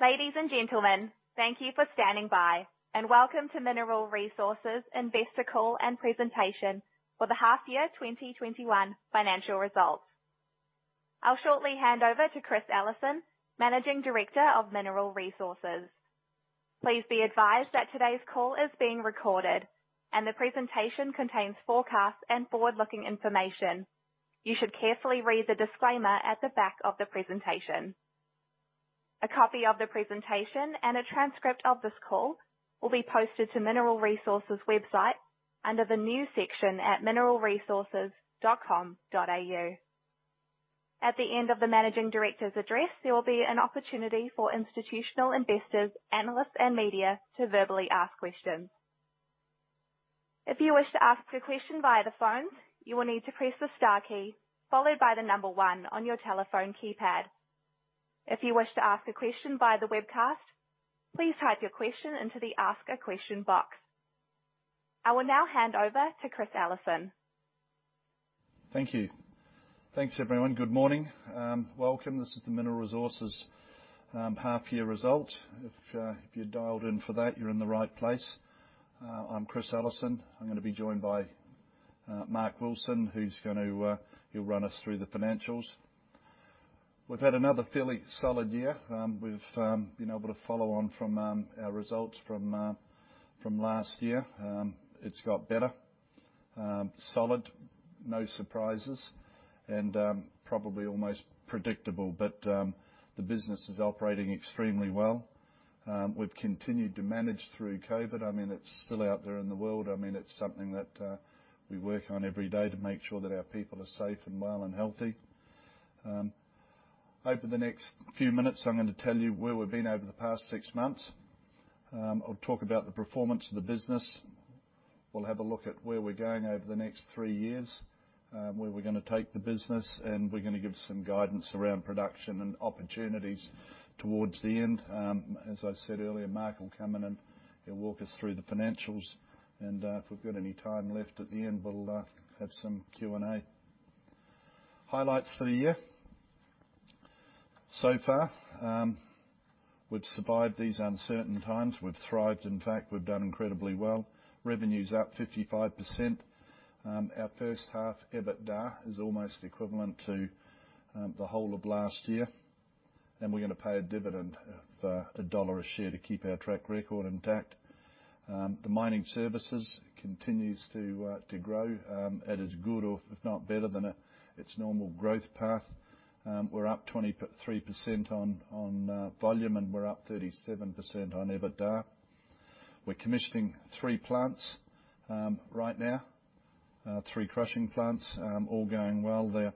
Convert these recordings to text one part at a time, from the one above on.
Ladies and gentlemen, thank you for standing by and welcome to Mineral Resources Investor Call and Presentation for the half year 2021 financial results. I'll shortly hand over to Chris Ellison, Managing Director of Mineral Resources. Please be advised that today's call is being recorded, and the presentation contains forecasts and forward-looking information. You should carefully read the disclaimer at the back of the presentation. A copy of the presentation and a transcript of this call will be posted to Mineral Resources website under the new section at mineralresources.com.au. At the end of the managing director's address, there will be an opportunity for institutional investors, analysts, and media to verbally ask questions. If you wish to ask a question via the phone, you will need to press the star key followed by the number one on your telephone keypad. If you wish to ask a question via the webcast, please type your question into the ask a question box. I will now hand over to Chris Ellison. Thank you. Thanks, everyone. Good morning. Welcome. This is the Mineral Resources half-year result. If you're dialed in for that, you're in the right place. I'm Chris Ellison. I'm going to be joined by Mark Wilson, who's going to run us through the financials. We've had another fairly solid year. We've been able to follow on from our results from last year. It's got better. Solid, no surprises, and probably almost predictable. The business is operating extremely well. We've continued to manage through COVID. It's still out there in the world. It's something that we work on every day to make sure that our people are safe and well and healthy. Over the next few minutes, I'm going to tell you where we've been over the past six months. I'll talk about the performance of the business. We'll have a look at where we're going over the next three years, where we're going to take the business, and we're going to give some guidance around production and opportunities towards the end. As I said earlier, Mark will come in and he'll walk us through the financials. If we've got any time left at the end, we'll have some Q&A. Highlights for the year. Far, we've survived these uncertain times. We've thrived. In fact, we've done incredibly well. Revenue's up 55%. Our first half EBITDA is almost equivalent to the whole of last year. We're going to pay a dividend of AUD 1 a share to keep our track record intact. The mining services continues to grow. It is as good, if not better than its normal growth path. We're up 23% on volume, and we're up 37% on EBITDA. We're commissioning three plants right now. Three crushing plants all going well. They're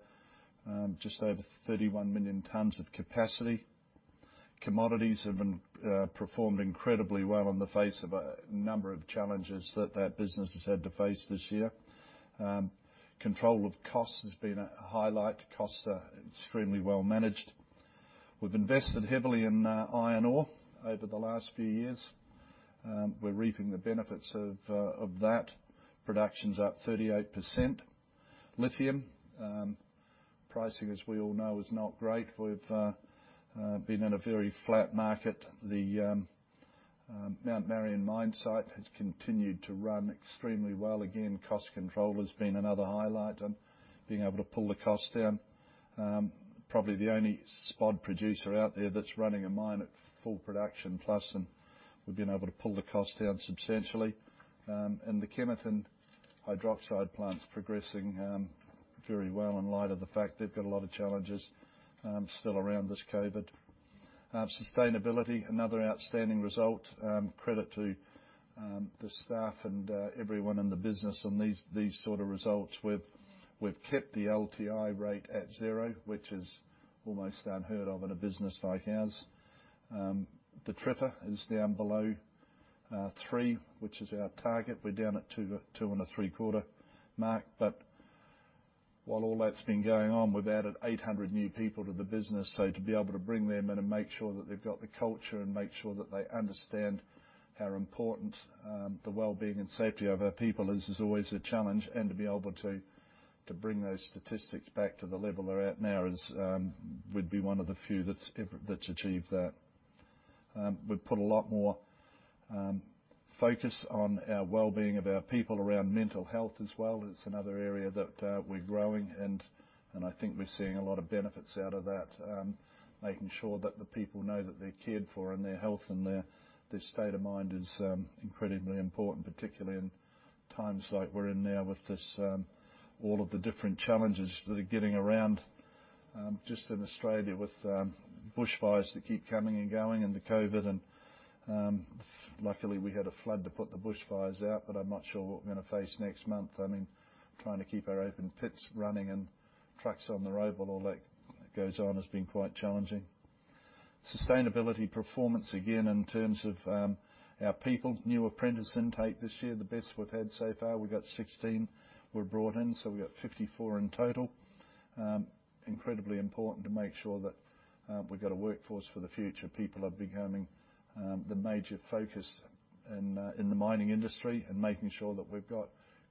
just over 31 million tons of capacity. Commodities have been performed incredibly well on the face of a number of challenges that that business has had to face this year. Control of costs has been a highlight. Costs are extremely well managed. We've invested heavily in iron ore over the last few years. We're reaping the benefits of that. Production's up 38%. Lithium pricing, as we all know, is not great. We've been in a very flat market. The Mount Marion mine site has continued to run extremely well. Again, cost control has been another highlight and being able to pull the cost down. Probably the only spod producer out there that's running a mine at full production plus, and we've been able to pull the cost down substantially. The Kemerton hydroxide plant's progressing very well in light of the fact they've got a lot of challenges still around this COVID. Sustainability, another outstanding result. Credit to the staff and everyone in the business on these sort of results. We've kept the LTI rate at zero, which is almost unheard of in a business like ours. The TRIR is down below three, which is our target. We're down at two and a three-quarter mark. While all that's been going on, we've added 800 new people to the business. To be able to bring them in and make sure that they've got the culture and make sure that they understand how important the well-being and safety of our people is always a challenge. To be able to bring those statistics back to the level they're at now is we'd be one of the few that's achieved that. We've put a lot more focus on our well-being of our people around mental health as well. It's another area that we're growing, and I think we're seeing a lot of benefits out of that. Making sure that the people know that they're cared for and their health and their state of mind is incredibly important, particularly in times like we're in now with all of the different challenges that are getting around. Just in Australia with bushfires that keep coming and going and the COVID. Luckily, we had a flood to put the bushfires out, but I'm not sure what we're going to face next month. Trying to keep our open pits running and trucks on the road while all that goes on has been quite challenging. Sustainability performance, again, in terms of our people. New apprentice intake this year, the best we've had so far. We got 16 were brought in, so we got 54 in total. Incredibly important to make sure that we've got a workforce for the future. People are becoming the major focus in the mining industry and making sure that we've got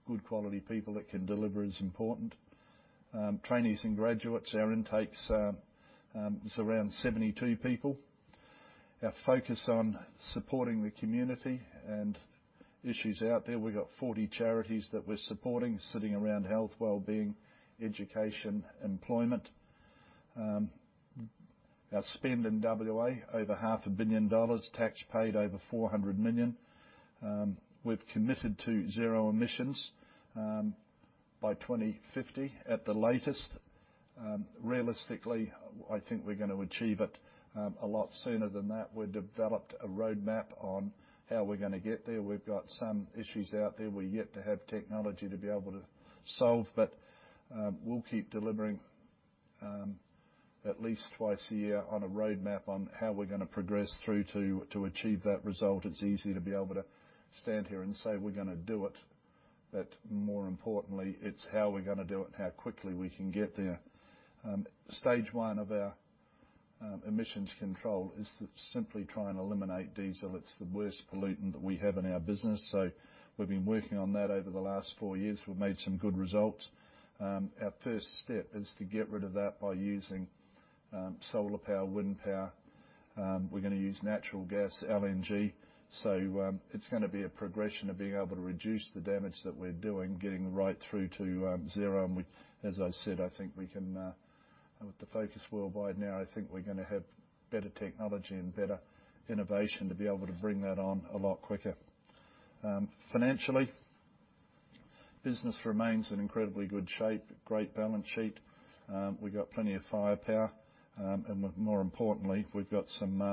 good quality people that can deliver is important. Trainees and graduates, our intake is around 72 people. Our focus on supporting the community and issues out there. We've got 40 charities that we're supporting sitting around health, wellbeing, education, employment. Our spend in WA, over 500 million dollars. Tax paid, over 400 million. We've committed to zero emissions by 2050 at the latest. Realistically, I think we're going to achieve it a lot sooner than that. We developed a roadmap on how we're going to get there. We've got some issues out there we're yet to have the technology to be able to solve. We'll keep delivering at least twice a year on a roadmap on how we're going to progress through to achieve that result. It's easy to be able to stand here and say we're going to do it, but more importantly, it's how we're going to do it and how quickly we can get there. Stage one of our emissions control is to simply try and eliminate diesel. It's the worst pollutant that we have in our business. We've been working on that over the last four years. We've made some good results. Our first step is to get rid of that by using solar power, wind power. We're going to use natural gas, LNG. It's going to be a progression of being able to reduce the damage that we're doing, getting right through to zero. As I said, with the focus worldwide now, I think we're going to have better technology and better innovation to be able to bring that on a lot quicker. Financially, business remains in incredibly good shape. Great balance sheet. We got plenty of firepower. More importantly, we've got some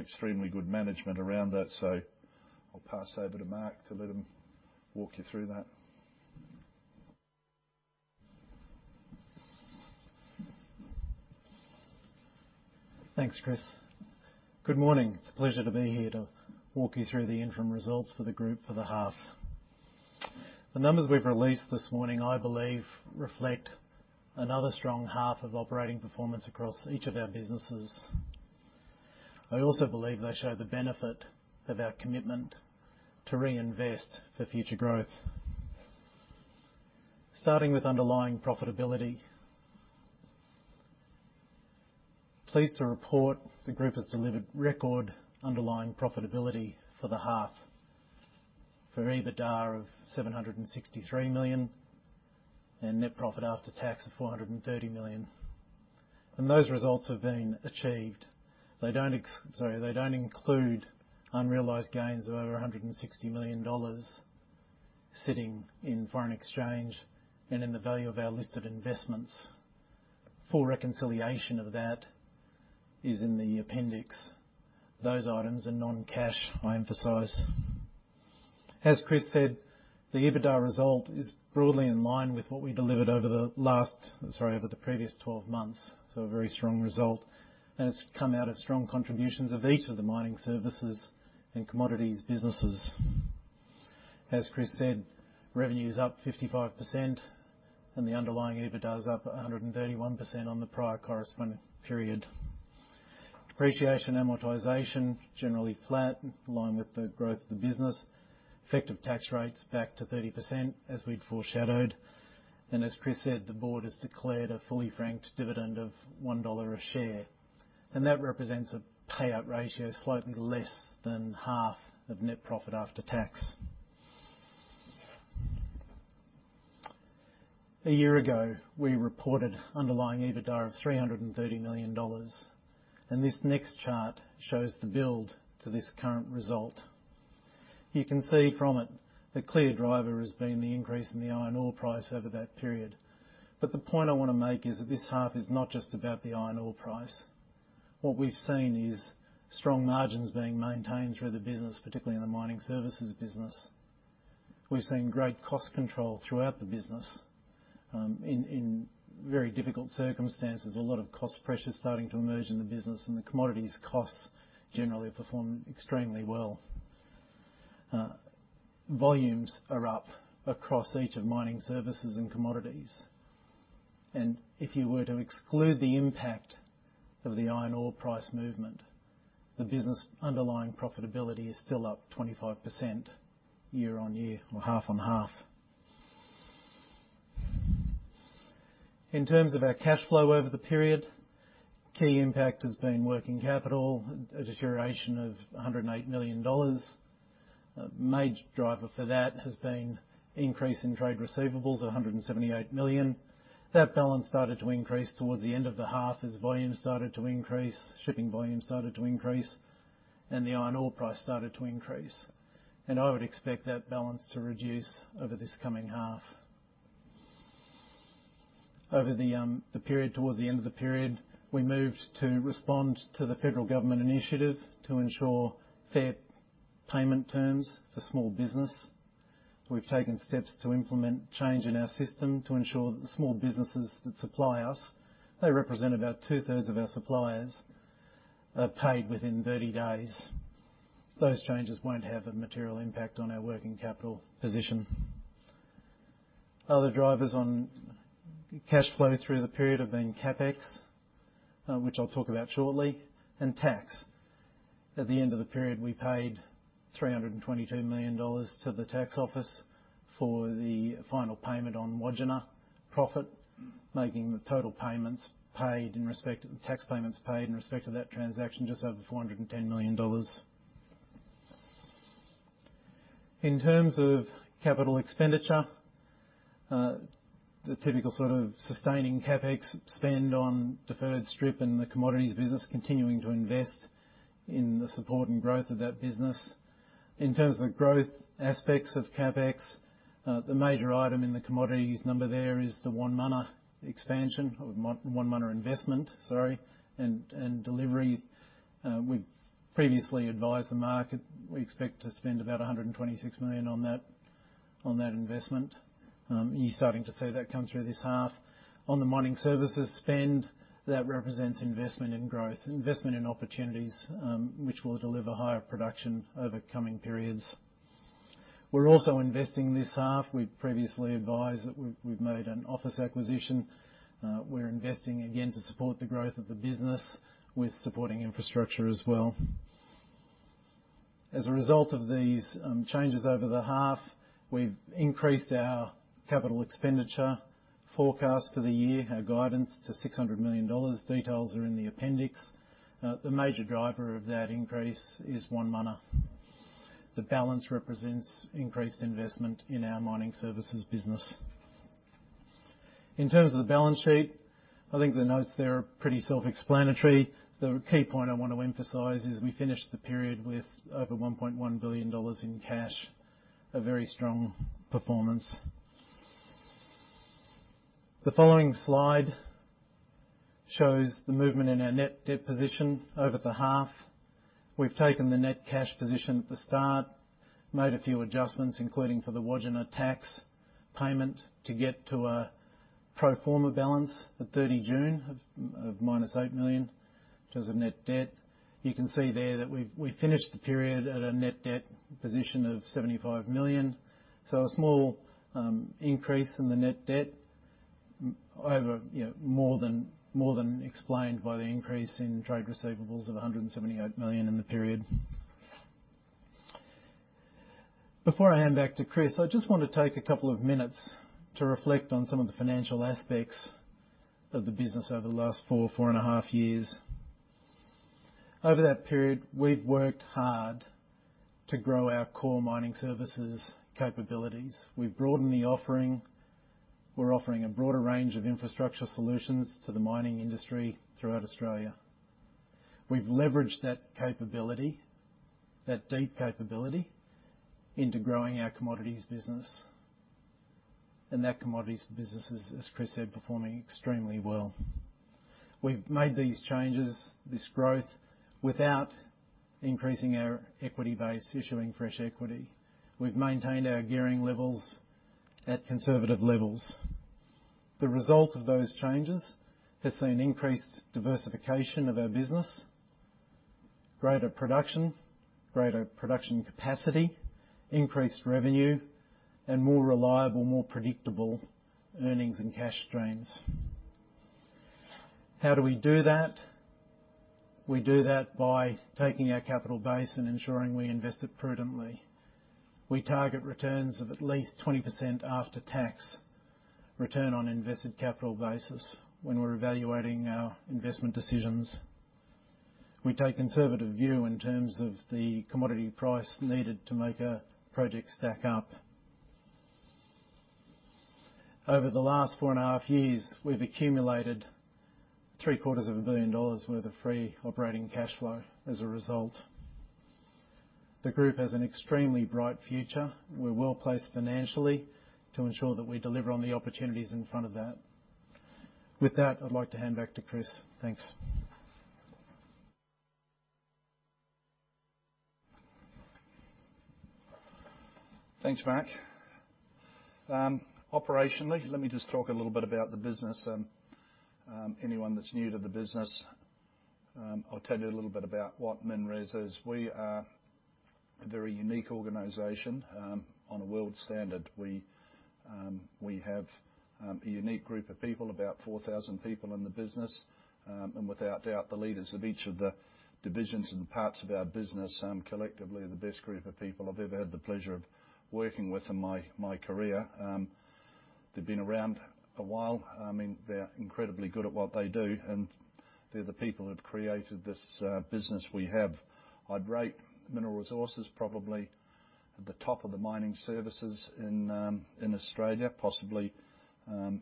extremely good management around that. I'll pass over to Mark to let him walk you through that. Thanks, Chris. Good morning. It's a pleasure to be here to walk you through the interim results for the group for the half. The numbers we've released this morning, I believe, reflect another strong half of operating performance across each of our businesses. I also believe they show the benefit of our commitment to reinvest for future growth. Starting with underlying profitability. Pleased to report the group has delivered record underlying profitability for the half for EBITDA of 763 million and net profit after tax of 430 million. Those results have been achieved. They don't include unrealized gains of over 160 million dollars sitting in foreign exchange and in the value of our listed investments. Full reconciliation of that is in the appendix. Those items are non-cash, I emphasize. As Chris said, the EBITDA result is broadly in line with what we delivered over the previous 12 months. A very strong result, and it's come out of strong contributions of each of the mining services and commodities businesses. As Chris said, revenue's up 55%, and the underlying EBITDA is up 131% on the prior corresponding period. Depreciation, amortization, generally flat in line with the growth of the business. Effective tax rate's back to 30%, as we'd foreshadowed. As Chris said, the board has declared a fully franked dividend of 1 dollar a share, and that represents a payout ratio slightly less than half of net profit after tax. A year ago, we reported underlying EBITDA of 330 million dollars, and this next chart shows the build to this current result. You can see from it the clear driver has been the increase in the iron ore price over that period. The point I want to make is that this half is not just about the iron ore price. What we've seen is strong margins being maintained through the business, particularly in the mining services business. We've seen great cost control throughout the business, in very difficult circumstances. A lot of cost pressure starting to emerge in the business, and the commodities costs generally have performed extremely well. Volumes are up across each of mining services and commodities. If you were to exclude the impact of the iron ore price movement, the business underlying profitability is still up 25% year-on-year or half-on-half. In terms of our cash flow over the period, key impact has been working capital, a deterioration of 108 million dollars. A major driver for that has been increase in trade receivables, 178 million. That balance started to increase towards the end of the half as volume started to increase, shipping volume started to increase, and the iron ore price started to increase. I would expect that balance to reduce over this coming half. Over the period, towards the end of the period, we moved to respond to the federal government initiative to ensure fair payment terms for small business. We've taken steps to implement change in our system to ensure that the small businesses that supply us, they represent about 2/3 Of our suppliers, are paid within 30 days. Those changes won't have a material impact on our working capital position. Other drivers on cash flow through the period have been CapEx, which I'll talk about shortly, and tax. At the end of the period, we paid 322 million dollars to the tax office for the final payment on Wodgina profit, making the total tax payments paid in respect of that transaction, just over 410 million dollars. In terms of capital expenditure, the typical sort of sustaining CapEx spend on deferred strip and the commodities business continuing to invest in the support and growth of that business. In terms of the growth aspects of CapEx, the major item in the commodities number there is the Wonmunna expansion or Wonmunna investment, sorry, and delivery. We've previously advised the market we expect to spend about 126 million on that investment. You're starting to see that come through this half. On the mining services spend, that represents investment in growth, investment in opportunities, which will deliver higher production over coming periods. We're also investing this half. We've previously advised that we've made an office acquisition. We're investing again to support the growth of the business with supporting infrastructure as well. As a result of these changes over the half, we've increased our CapEx forecast for the year, our guidance to 600 million dollars. Details are in the appendix. The major driver of that increase is Wonmunna. The balance represents increased investment in our mining services business. In terms of the balance sheet, I think the notes there are pretty self-explanatory. The key point I want to emphasize is we finished the period with over 1.1 billion dollars in cash, a very strong performance. The following slide shows the movement in our net debt position over the half. We've taken the net cash position at the start, made a few adjustments, including for the Wodgina tax payment, to get to a pro forma balance at 30 June of -8 million, which was a net debt. You can see there that we finished the period at a net debt position of 75 million. A small increase in the net debt over more than explained by the increase in trade receivables of 178 million in the period. Before I hand back to Chris, I just want to take a couple of minutes to reflect on some of the financial aspects of the business over the last 4.5 Years. Over that period, we've worked hard to grow our core mining services capabilities. We've broadened the offering. We're offering a broader range of infrastructure solutions to the mining industry throughout Australia. We've leveraged that capability, that deep capability, into growing our commodities business. That commodities business is, as Chris said, performing extremely well. We've made these changes, this growth, without increasing our equity base, issuing fresh equity. We've maintained our gearing levels at conservative levels. The result of those changes has seen increased diversification of our business, greater production, greater production capacity, increased revenue, and more reliable, more predictable earnings and cash streams. How do we do that? We do that by taking our capital base and ensuring we invest it prudently. We target returns of at least 20% after tax, return on invested capital basis when we're evaluating our investment decisions. We take a conservative view in terms of the commodity price needed to make a project stack up. Over the last 4.5 Years, we've accumulated 750 million dollars worth of free operating cash flow as a result. The group has an extremely bright future. We're well-placed financially to ensure that we deliver on the opportunities in front of that. With that, I'd like to hand back to Chris. Thanks. Thanks, Mark. Operationally, let me just talk a little bit about the business. Anyone that's new to the business, I'll tell you a little bit about what MinRes is. We are a very unique organization on a world standard. We have a unique group of people, about 4,000 people in the business. Without doubt, the leaders of each of the divisions and parts of our business, collectively, the best group of people I've ever had the pleasure of working with in my career. They've been around a while. They're incredibly good at what they do. They're the people who've created this business we have. I'd rate Mineral Resources probably at the top of the mining services in Australia, possibly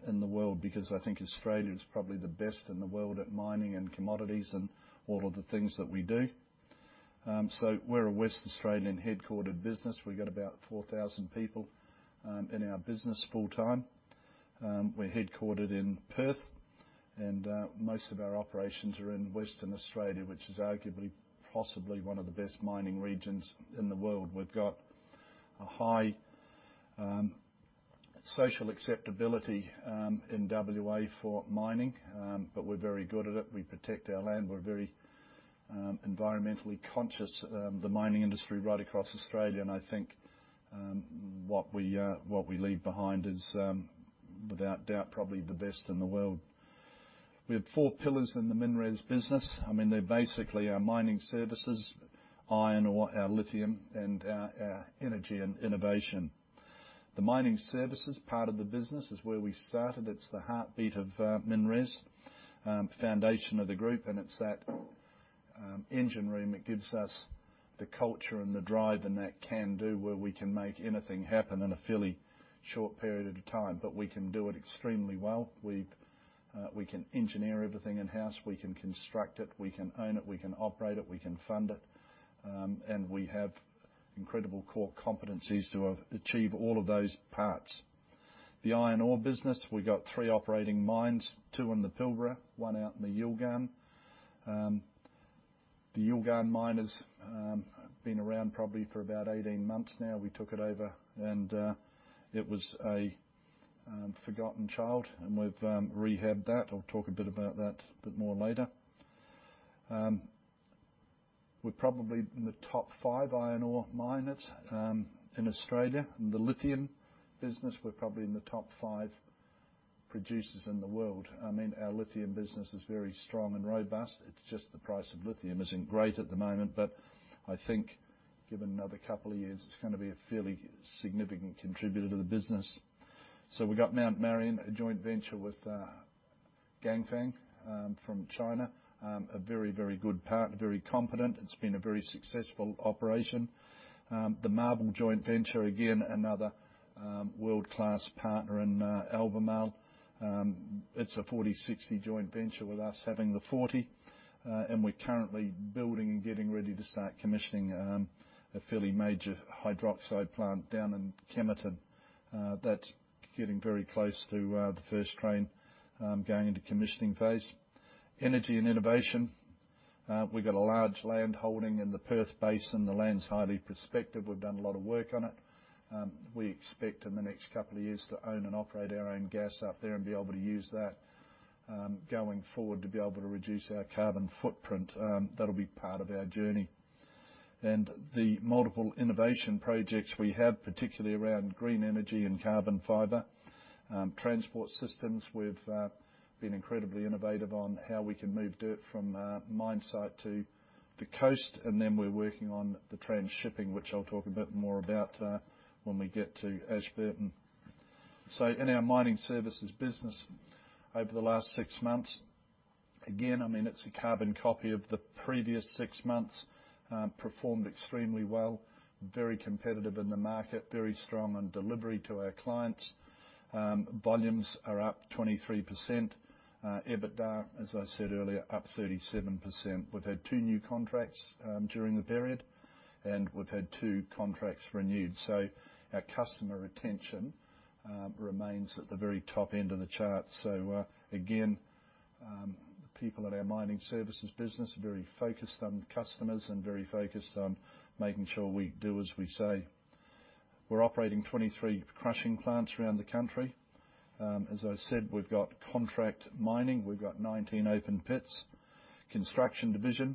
in the world, I think Australia is probably the best in the world at mining and commodities and all of the things that we do. We're a Western Australian headquartered business. We've got about 4,000 people in our business full-time. We're headquartered in Perth and most of our operations are in Western Australia, which is arguably possibly one of the best mining regions in the world. We've got a high social acceptability in WA for mining, we're very good at it. We protect our land. Environmentally conscious, the mining industry right across Australia. I think what we leave behind is, without a doubt, probably the best in the world. We have four pillars in the MinRes business. They're basically our Mining Services, Iron Ore, our Lithium, and our Energy and Innovation. The Mining Services part of the business is where we started. It's the heartbeat of MinRes, foundation of the group. It's that engine room that gives us the culture and the drive and that can-do, where we can make anything happen in a fairly short period of time. We can do it extremely well. We can engineer everything in-house. We can construct it. We can own it. We can operate it. We can fund it. We have incredible core competencies to achieve all of those parts. The iron ore business, we got three operating mines. Two in the Pilbara, one out in the Yilgarn. The Yilgarn mine has been around probably for about 18 months now. We took it over and it was a forgotten child, and we've rehabbed that. I'll talk a bit about that a bit more later. We're probably in the top five iron ore miners in Australia. In the lithium business, we're probably in the top five producers in the world. Our lithium business is very strong and robust. It's just the price of lithium isn't great at the moment. I think given another couple of years, it's going to be a fairly significant contributor to the business. We got Mount Marion, a joint venture with Ganfeng from China. A very good partner, very competent. It's been a very successful operation. The MARBL joint venture, again, another world-class partner in Albemarle. It's a 40%/60% joint venture with us having the 40. We're currently building and getting ready to start commissioning a fairly major hydroxide plant down in Kemerton. That's getting very close to the first train going into commissioning phase. Energy and innovation. We've got a large land holding in the Perth Basin. The land's highly prospective. We've done a lot of work on it. We expect in the next couple of years to own and operate our own gas up there and be able to use that, going forward, to be able to reduce our carbon footprint. That'll be part of our journey. The multiple innovation projects we have, particularly around green energy and carbon fiber transport systems. We've been incredibly innovative on how we can move dirt from a mine site to the coast. We're working on the transshipping, which I'll talk a bit more about when we get to Ashburton. In our mining services business over the last six months, again, it's a carbon copy of the previous six months. Performed extremely well. Very competitive in the market. Very strong in delivery to our clients. Volumes are up 23%. EBITDA, as I said earlier, up 37%. We've had two new contracts during the period. We've had two contracts renewed. Our customer retention remains at the very top end of the chart. Again, the people at our mining services business are very focused on customers and very focused on making sure we do as we say. We're operating 23 crushing plants around the country. As I said, we've got contract mining. We've got 19 open pits. Construction division.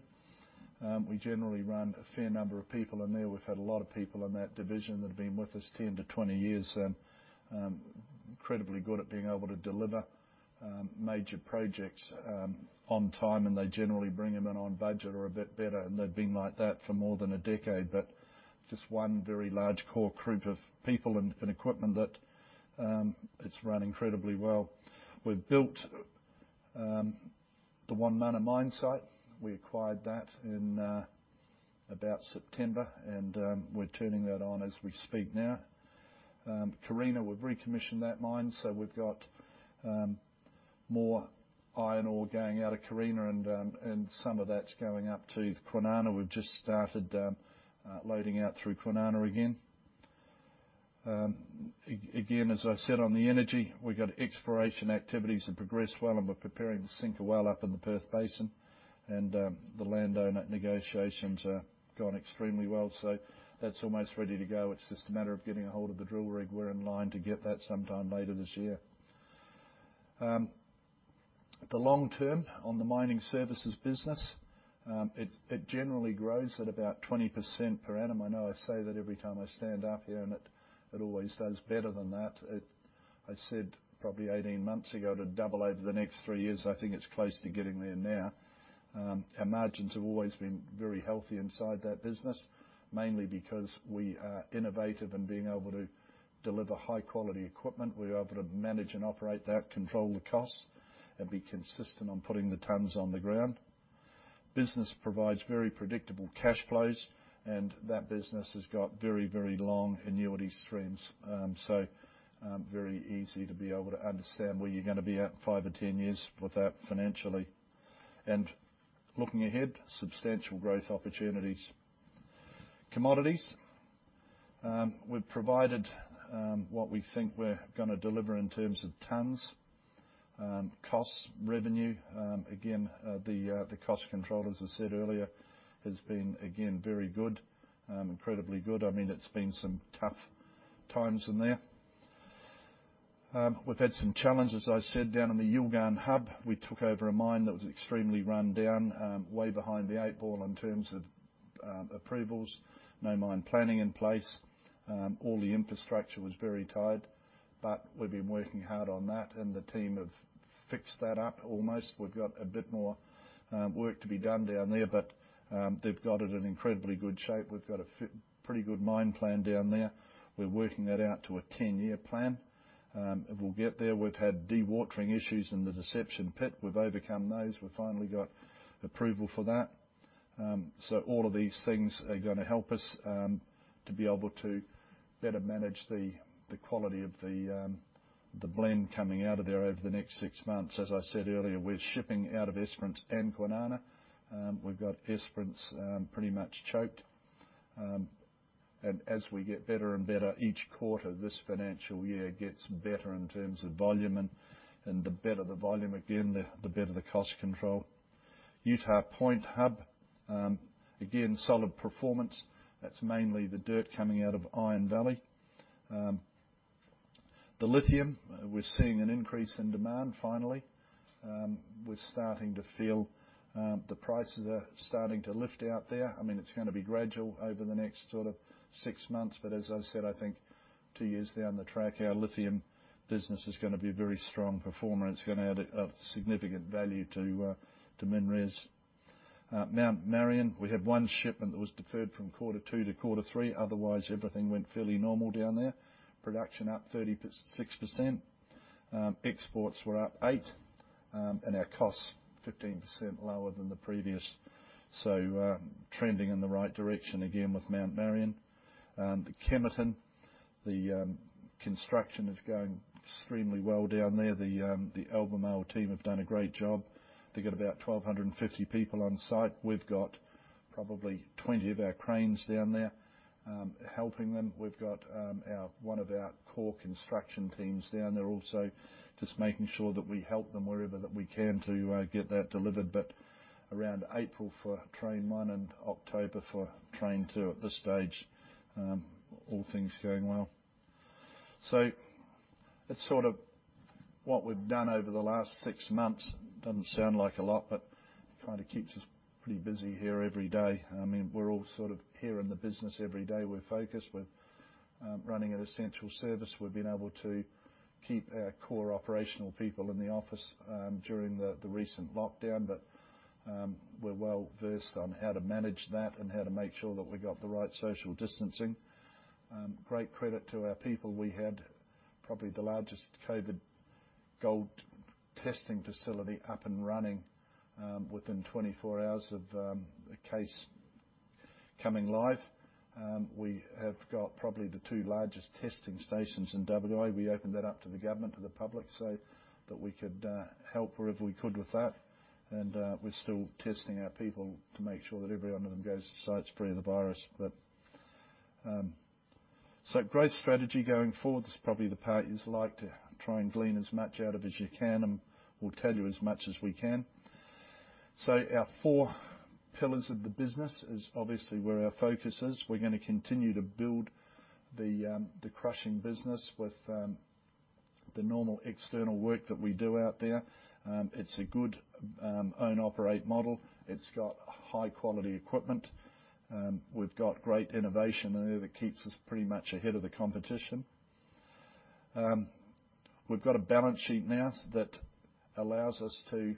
We generally run a fair number of people in there. We've had a lot of people in that division that have been with us 10-20 years, and incredibly good at being able to deliver major projects on time. They generally bring them in on budget or a bit better. They've been like that for more than a decade. Just one very large core group of people and equipment that it's run incredibly well. We've built the Wonmunna mine site. We acquired that in about September, and we're turning that on as we speak now. Carina, we've recommissioned that mine, so we've got more iron ore going out of Carina and some of that's going up to Kwinana. We've just started loading out through Kwinana again. Again, as I said on the energy, we've got exploration activities that progress well and we're preparing to sink a well up in the Perth Basin. The landowner negotiations are going extremely well. That's almost ready to go. It's just a matter of getting ahold of the drill rig. We're in line to get that sometime later this year. The long term on the mining services business. It generally grows at about 20% per annum. I know I say that every time I stand up here, and it always does better than that. I said probably 18 months ago it'd double over the next three years. I think it's close to getting there now. Our margins have always been very healthy inside that business, mainly because we are innovative in being able to deliver high-quality equipment. We're able to manage and operate that, control the costs, and be consistent on putting the tons on the ground. Business provides very predictable cash flows. That business has got very long annuity streams. Very easy to be able to understand where you're going to be at five or 10 years with that financially. Looking ahead, substantial growth opportunities. Commodities. We've provided what we think we're going to deliver in terms of tons. Costs, revenue. Again, the cost control, as I said earlier, has been again very good. Incredibly good. It's been some tough times in there. We've had some challenges, as I said, down in the Yilgarn hub. We took over a mine that was extremely run down, way behind the eight ball in terms of approvals. No mine planning in place. All the infrastructure was very tired. We've been working hard on that, and the team have fixed that up almost. We've got a bit more work to be done down there, but they've got it in incredibly good shape. We've got a pretty good mine plan down there. We're working that out to a 10-year plan. It will get there. We've had dewatering issues in the Deception Pit. We've overcome those. We finally got approval for that. All of these things are going to help us to be able to better manage the quality of the blend coming out of there over the next six months. As I said earlier, we're shipping out of Esperance and Kwinana. We've got Esperance pretty much choked. As we get better and better each quarter, this financial year gets better in terms of volume. The better the volume, again, the better the cost control. Utah Point Hub. Again, solid performance. That's mainly the dirt coming out of Iron Valley. The lithium, we're seeing an increase in demand, finally. We're starting to feel the prices are starting to lift out there. It's going to be gradual over the next six months. As I said, I think two years down the track, our lithium business is going to be a very strong performer, and it's going to add significant value to MinRes. Mount Marion, we had one shipment that was deferred from quarter two to quarter three. Otherwise, everything went fairly normal down there. Production up 36%. Exports were up eight. Our costs, 15% lower than the previous. Trending in the right direction again with Mount Marion. The Kemerton, the construction is going extremely well down there. The Albemarle team have done a great job. They got about 1,250 people on site. We've got probably 20 of our cranes down there helping them. We've got one of our core construction teams down there also, just making sure that we help them wherever that we can to get that delivered. Around April for train one and October for train two at this stage. All things going well. That's sort of what we've done over the last six months. Doesn't sound like a lot, but it keeps us pretty busy here every day. We're all here in the business every day. We're focused. We're running an essential service. We've been able to keep our core operational people in the office during the recent lockdown. We're well-versed on how to manage that and how to make sure that we got the right social distancing. Great credit to our people. We had probably the largest COVID cold testing facility up and running within 24 hours of a case coming live. We have got probably the two largest testing stations in WA. We opened that up to the government, to the public, so that we could help wherever we could with that. We're still testing our people to make sure that every one of them goes to sites free of the virus. Growth strategy going forward. This is probably the part you'd like to try and glean as much out of as you can, and we'll tell you as much as we can. Our four pillars of the business is obviously where our focus is. We're going to continue to build the crushing business with the normal external work that we do out there. It's a good own operate model. It's got high-quality equipment. We've got great innovation in there that keeps us pretty much ahead of the competition. We've got a balance sheet now that allows us to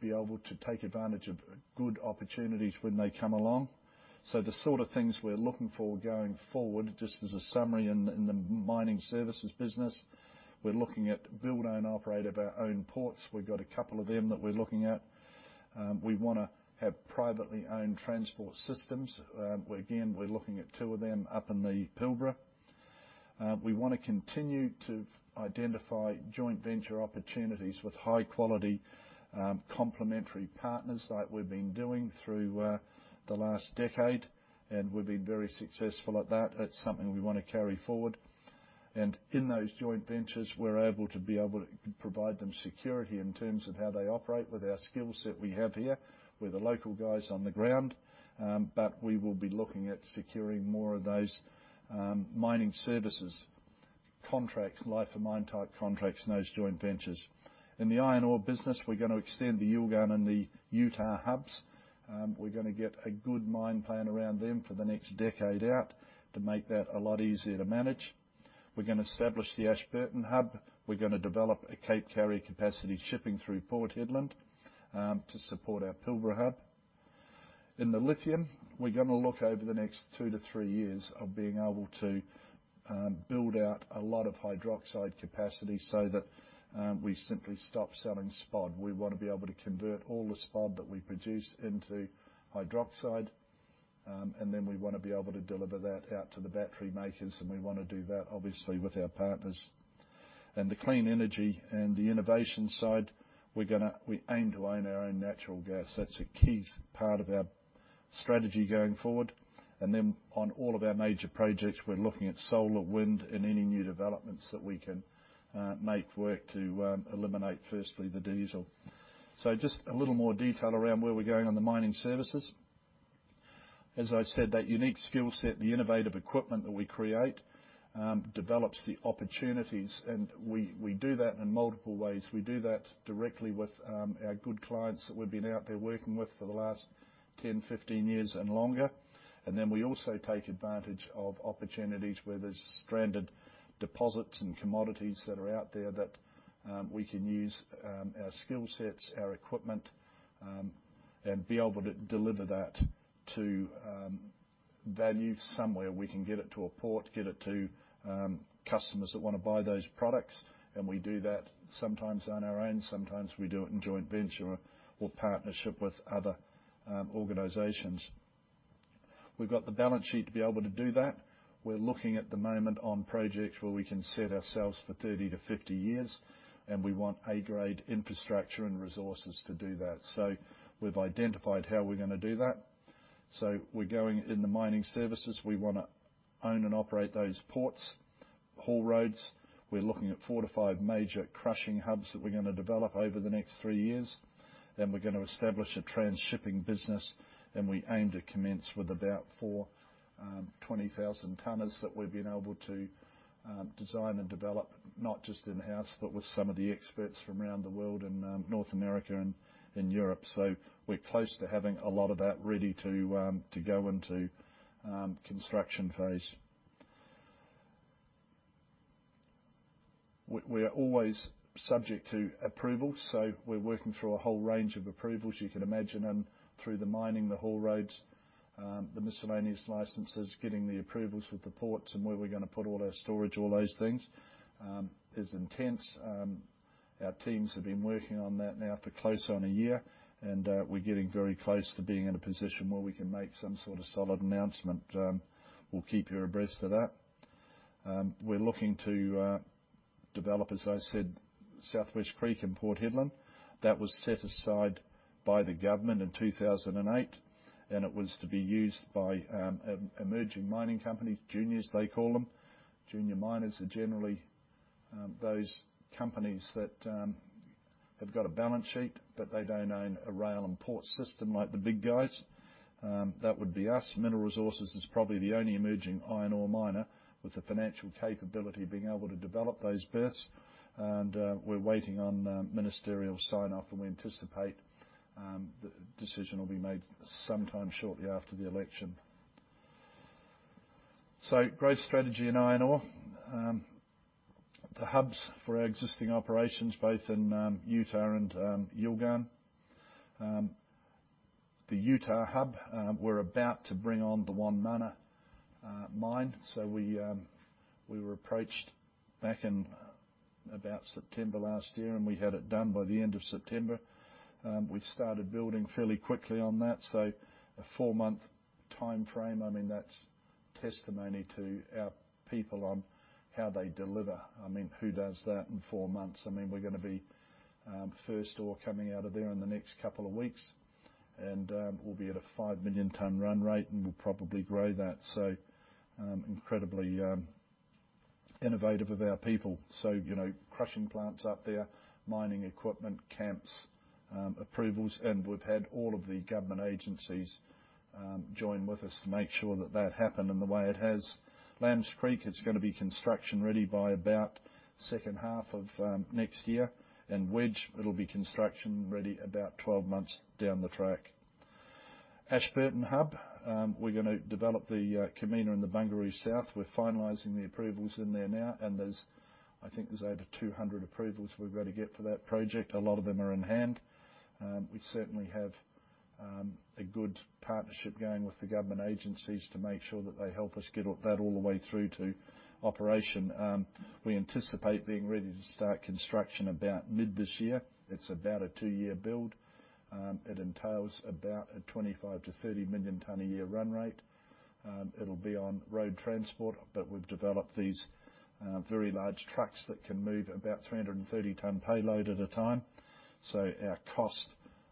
be able to take advantage of good opportunities when they come along. The sort of things we're looking for going forward, just as a summary in the mining services business. We're looking at build, own, operate of our own ports. We've got a couple of them that we're looking at. We want to have privately owned transport systems. Again, we're looking at two of them up in the Pilbara. We want to continue to identify joint venture opportunities with high-quality, complementary partners like we've been doing through the last decade, and we've been very successful at that. It's something we want to carry forward. In those joint ventures, we're able to be able to provide them security in terms of how they operate with our skill set we have here. We're the local guys on the ground. We will be looking at securing more of those mining services contracts, life of mine type contracts in those joint ventures. In the iron ore business, we're going to extend the Yilgarn and the Utah hubs. We're going to get a good mine plan around them for the next decade out to make that a lot easier to manage. We're going to establish the Ashburton Hub. We're going to develop a Capesize capacity shipping through Port Hedland to support our Pilbara Hub. In the lithium, we're going to look over the next two to three years of being able to build out a lot of hydroxide capacity so that we simply stop selling spod. We want to be able to convert all the spod that we produce into hydroxide. Then we want to be able to deliver that out to the battery makers, and we want to do that, obviously, with our partners. In the clean energy and the innovation side, we aim to own our own natural gas. That's a key part of our strategy going forward. Then on all of our major projects, we're looking at solar, wind, and any new developments that we can make work to eliminate, firstly, the diesel. Just a little more detail around where we're going on the mining services. As I said, that unique skill set and the innovative equipment that we create, develops the opportunities. We do that in multiple ways. We do that directly with our good clients that we've been out there working with for the last 10, 15 years and longer. We also take advantage of opportunities where there's stranded deposits and commodities that are out there that we can use our skill sets, our equipment, and be able to deliver that to value somewhere. We can get it to a port, get it to customers that want to buy those products. We do that sometimes on our own, sometimes we do it in joint venture or partnership with other organizations. We've got the balance sheet to be able to do that. We're looking at the moment on projects where we can set ourselves for 30-50 years, and we want A-grade infrastructure and resources to do that. We've identified how we're going to do that. We're going in the mining services. We want to own and operate those ports, haul roads. We're looking at four to five major crushing hubs that we're going to develop over the next three years. We're going to establish a transhipping business. We aim to commence with about four 20,000 tonners that we've been able to design and develop, not just in-house, but with some of the experts from around the world in North America and in Europe. We're close to having a lot of that ready to go into construction phase. We are always subject to approval. We're working through a whole range of approvals. You can imagine through the mining, the haul roads, the miscellaneous licenses, getting the approvals with the ports and where we're going to put all our storage, all those things, is intense. Our teams have been working on that now for close on a year, and we're getting very close to being in a position where we can make some sort of solid announcement. We'll keep you abreast of that. We're looking to develop, as I said, South West Creek and Port Hedland. That was set aside by the government in 2008, and it was to be used by emerging mining companies, juniors, they call them. Junior miners are generally those companies that have got a balance sheet, but they don't own a rail and port system like the big guys. That would be us. Mineral Resources is probably the only emerging iron ore miner with the financial capability being able to develop those berths. We're waiting on ministerial sign-off, and we anticipate the decision will be made sometime shortly after the election. Growth strategy in iron ore. The hubs for our existing operations, both in Utah and Yilgarn. The Utah hub, we're about to bring on the Wonmunna mine. We were approached back in about September last year, and we had it done by the end of September. We started building fairly quickly on that. A four-month timeframe, that's testimony to our people on how they deliver. I mean, who does that in four months? We're going to be first ore coming out of there in the next couple of weeks. We'll be at a 5 million ton run rate, and we'll probably grow that. Incredibly innovative of our people. Crushing plants up there, mining equipment, camps, approvals, and we've had all of the government agencies join with us to make sure that that happened and the way it has. Lamb Creek is going to be construction-ready by about second half of next year. Wedge, it'll be construction-ready about 12 months down the track. Ashburton Hub, we're going to develop the Kumina and the Bungaroo South. We're finalizing the approvals in there now, and I think there's over 200 approvals we've got to get for that project. A lot of them are in hand. We certainly have a good partnership going with the government agencies to make sure that they help us get that all the way through to operation. We anticipate being ready to start construction about mid this year. It's about a two-year build. It entails about a 25 million-30 million ton a year run rate. It'll be on road transport, we've developed these very large trucks that can move about 330 ton payload at a time. Our cost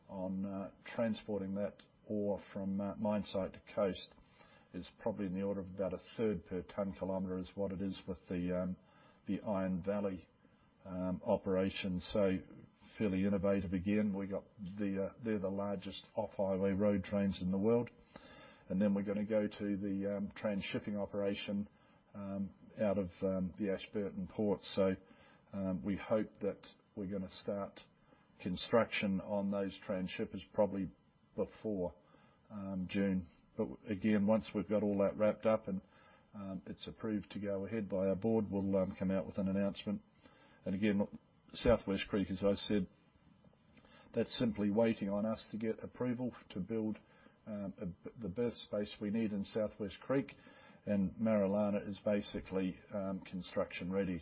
on transporting that ore from mine site to coast is probably in the order of about a third per ton kilometer is what it is with the Iron Valley operation. Fairly innovative again. They're the largest off-highway road trains in the world. We're going to go to the transhipping operation out of the Ashburton Port. We hope that we're going to start construction on those transshippers probably before June. Again, once we've got all that wrapped up and it's approved to go ahead by our board, we'll come out with an announcement. Again, South West Creek, as I said, that's simply waiting on us to get approval to build the berth space we need in South West Creek. Marillana is basically construction ready.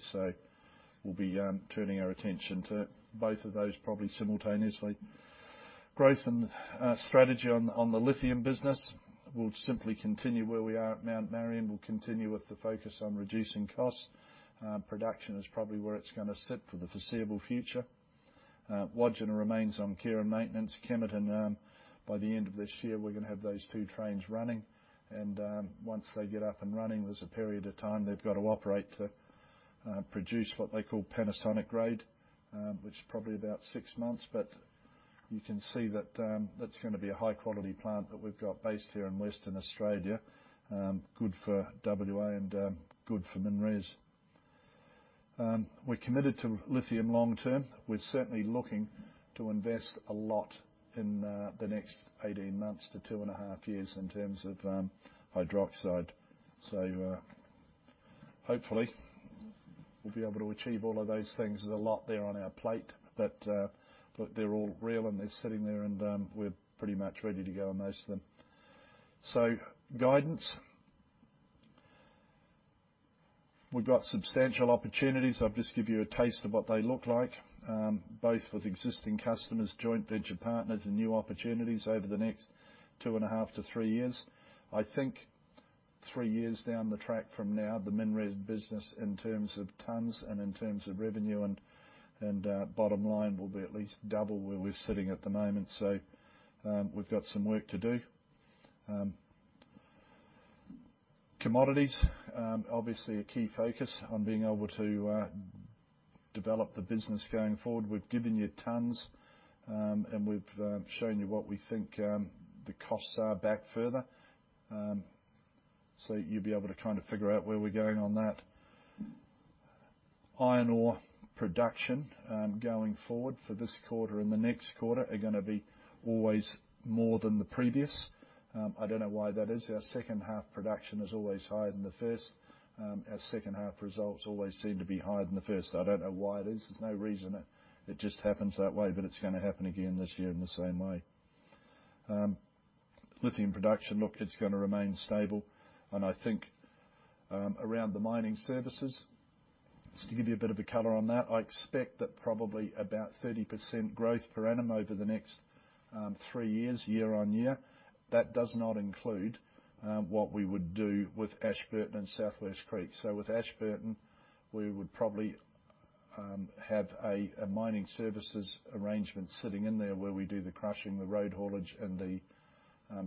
We'll be turning our attention to both of those probably simultaneously. Growth and strategy on the lithium business. We'll simply continue where we are at Mount Marion. We'll continue with the focus on reducing costs. Production is probably where it's going to sit for the foreseeable future. Wodgina remains on care and maintenance. Kemerton, by the end of this year, we're going to have those two trains running. Once they get up and running, there's a period of time they've got to operate to produce what they call Panasonic grade, which is probably about six months. You can see that that's going to be a high-quality plant that we've got based here in Western Australia. Good for WA and good for MinRes. We're committed to lithium long-term. We're certainly looking to invest a lot in the next 18 months-2.5 years in terms of hydroxide. Hopefully, we'll be able to achieve all of those things. There's a lot there on our plate, but they're all real and they're sitting there, and we're pretty much ready to go on most of them. Guidance. We've got substantial opportunities. I'll just give you a taste of what they look like, both with existing customers, joint venture partners and new opportunities over the next 2.5-3 years. I think three years down the track from now, the MinRes business in terms of tonnes and in terms of revenue and bottom line will be at least double where we're sitting at the moment. We've got some work to do. Commodities, obviously a key focus on being able to develop the business going forward. We've given you tonnes, and we've shown you what we think the costs are back further. You'll be able to figure out where we're going on that. Iron ore production going forward for this quarter and the next quarter are gonna be always more than the previous. I don't know why that is. Our second half production is always higher than the first. Our second half results always seem to be higher than the first. I don't know why it is. There's no reason. It just happens that way, but it's gonna happen again this year in the same way. Lithium production, look, it's gonna remain stable. I think around the mining services, just to give you a bit of a color on that, I expect that probably about 30% growth per annum over the next three years, year-on-year. That does not include what we would do with Ashburton and South West Creek. With Ashburton, we would probably have a mining services arrangement sitting in there where we do the crushing, the road haulage and the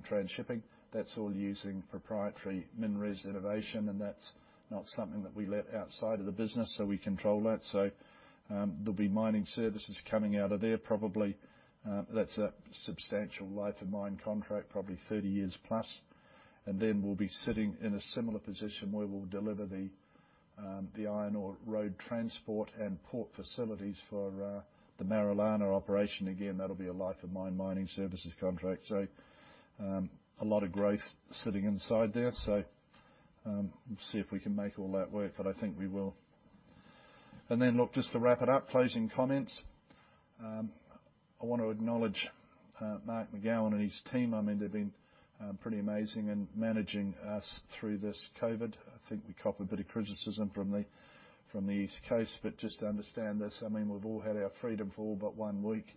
transhipping. That's all using proprietary MinRes innovation, and that's not something that we let outside of the business, so we control that. There'll be mining services coming out of there, probably. That's a substantial life of mine contract, probably 30 years plus. Then we'll be sitting in a similar position where we'll deliver the iron ore road transport and port facilities for the Marillana operation. That'll be a life of mine mining services contract. A lot of growth sitting inside there. We'll see if we can make all that work, but I think we will. Look, just to wrap it up, closing comments. I want to acknowledge Mark McGowan and his team. They've been pretty amazing in managing us through this COVID. I think we copped a bit of criticism from the East Coast, but just understand this, we've all had our freedom for all but one week,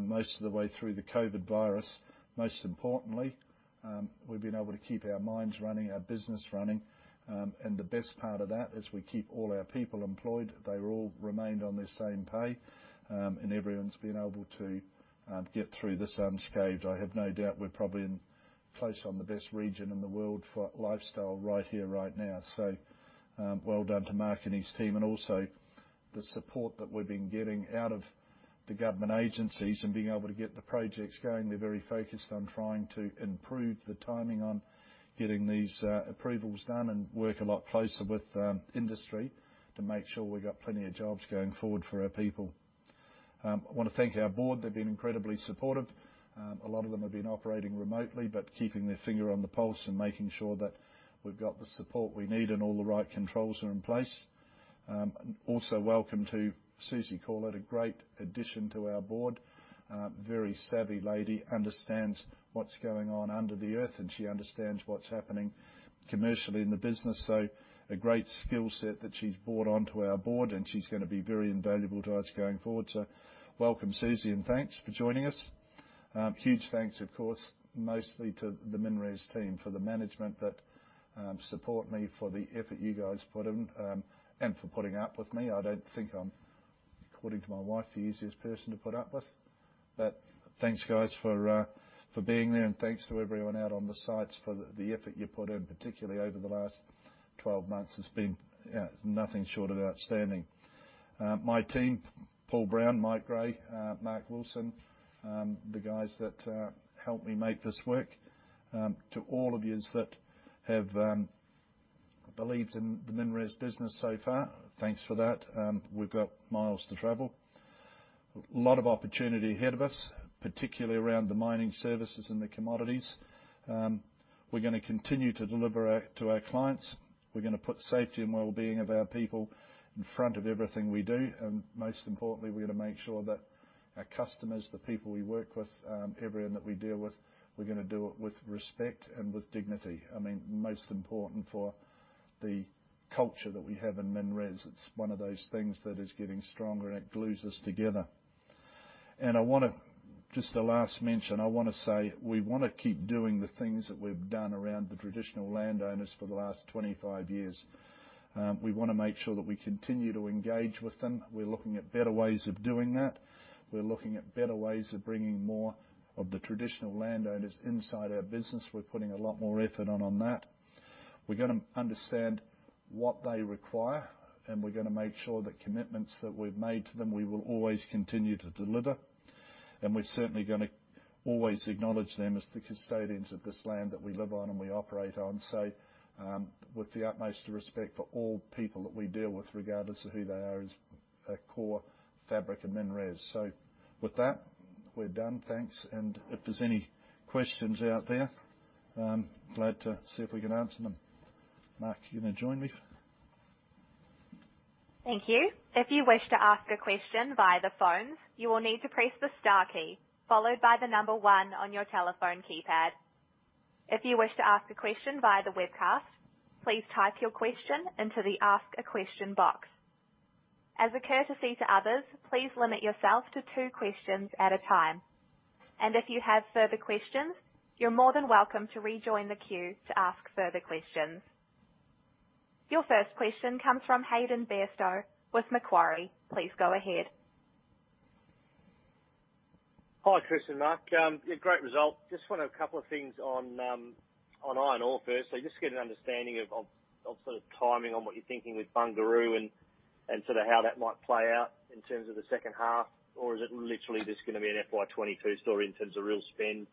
most of the way through the COVID virus. Most importantly, we've been able to keep our mines running, our business running. The best part of that is we keep all our people employed. They all remained on their same pay, and everyone's been able to get through this unscathed. I have no doubt we're probably placed on the best region in the world for lifestyle right here, right now. Well done to Mark McGowan and his team. The support that we've been getting out of the government agencies and being able to get the projects going. They're very focused on trying to improve the timing on getting these approvals done and work a lot closer with industry to make sure we got plenty of jobs going forward for our people. I want to thank our board. They've been incredibly supportive. A lot of them have been operating remotely, but keeping their finger on the pulse and making sure that we've got the support we need and all the right controls are in place. Welcome to Susie Corlett, a great addition to our board. Very savvy lady, understands what's going on under the earth, and she understands what's happening commercially in the business. A great skill set that she's brought onto our board, and she's going to be very invaluable to us going forward. Welcome, Susie, and thanks for joining us. Huge thanks, of course, mostly to the MinRes team for the management that support me for the effort you guys put in, and for putting up with me. I don't think I'm, according to my wife, the easiest person to put up with. Thanks, guys, for being there. Thanks to everyone out on the sites for the effort you put in, particularly over the last 12 months. It's been nothing short of outstanding. My team, Paul Brown, Mike Gray, Mark Wilson, the guys that help me make this work. To all of you that have believed in the MinRes business so far, thanks for that. We've got miles to travel. A lot of opportunity ahead of us, particularly around the mining services and the commodities. We're gonna continue to deliver to our clients. We're gonna put safety and wellbeing of our people in front of everything we do. Most importantly, we're gonna make sure that our customers, the people we work with, everyone that we deal with, we're gonna do it with respect and with dignity. Most important for the culture that we have in MinRes. It's one of those things that is getting stronger, and it glues us together. I want to just the last mention, I want to say we want to keep doing the things that we've done around the Traditional Landowners for the last 25 years. We want to make sure that we continue to engage with them. We're looking at better ways of doing that. We're looking at better ways of bringing more of the traditional landowners inside our business. We're putting a lot more effort on that. We're going to understand what they require. We're going to make sure that commitments that we've made to them, we will always continue to deliver. We're certainly going to always acknowledge them as the custodians of this land that we live on and we operate on. With the utmost respect for all people that we deal with, regardless of who they are, is a core fabric of MinRes. With that, we're done. Thanks. If there's any questions out there, I'm glad to see if we can answer them. Mark, you going to join me? Thank you. If you wish to ask a question by the phone, you will need to press the star key followed by the number one on your telephone keypad. If you wish to ask a question via the webcast, please type your question into the ask a question box. As a courtesy to others, please limit yourself to two questions at a time, and if you have further questions, you're more than welcome to rejoin the queue to ask further questions. Your first question comes from Hayden Bairstow with Macquarie. Please go ahead. Hi, Chris and Mark. Great result. Want a couple of things on iron ore first. To get an understanding of sort of timing on what you're thinking with Bungaroo and sort of how that might play out in terms of the second half. Is it literally just going to be an FY 2022 story in terms of real spend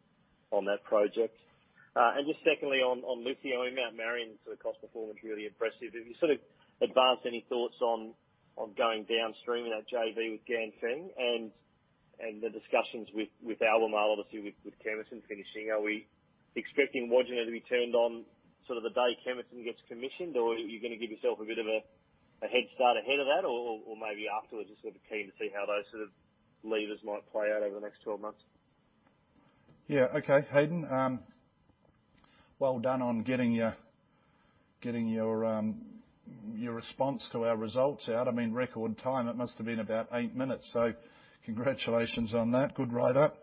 on that project? Secondly, on lithium at Mount Marion, sort of cost performance, really impressive. Have you sort of advanced any thoughts on going downstream in that JV with Ganfeng and the discussions with Albemarle, obviously with Kemerton finishing. Are we expecting Wodgina to be turned on sort of the day Kemerton gets commissioned? Are you going to give yourself a bit of a head start ahead of that? Maybe afterwards, just sort of keen to see how those sort of levers might play out over the next 12 months. Yeah. Okay, Hayden. Well done on getting your response to our results out. I mean, record time. It must have been about eight minutes. Congratulations on that. Good write-up.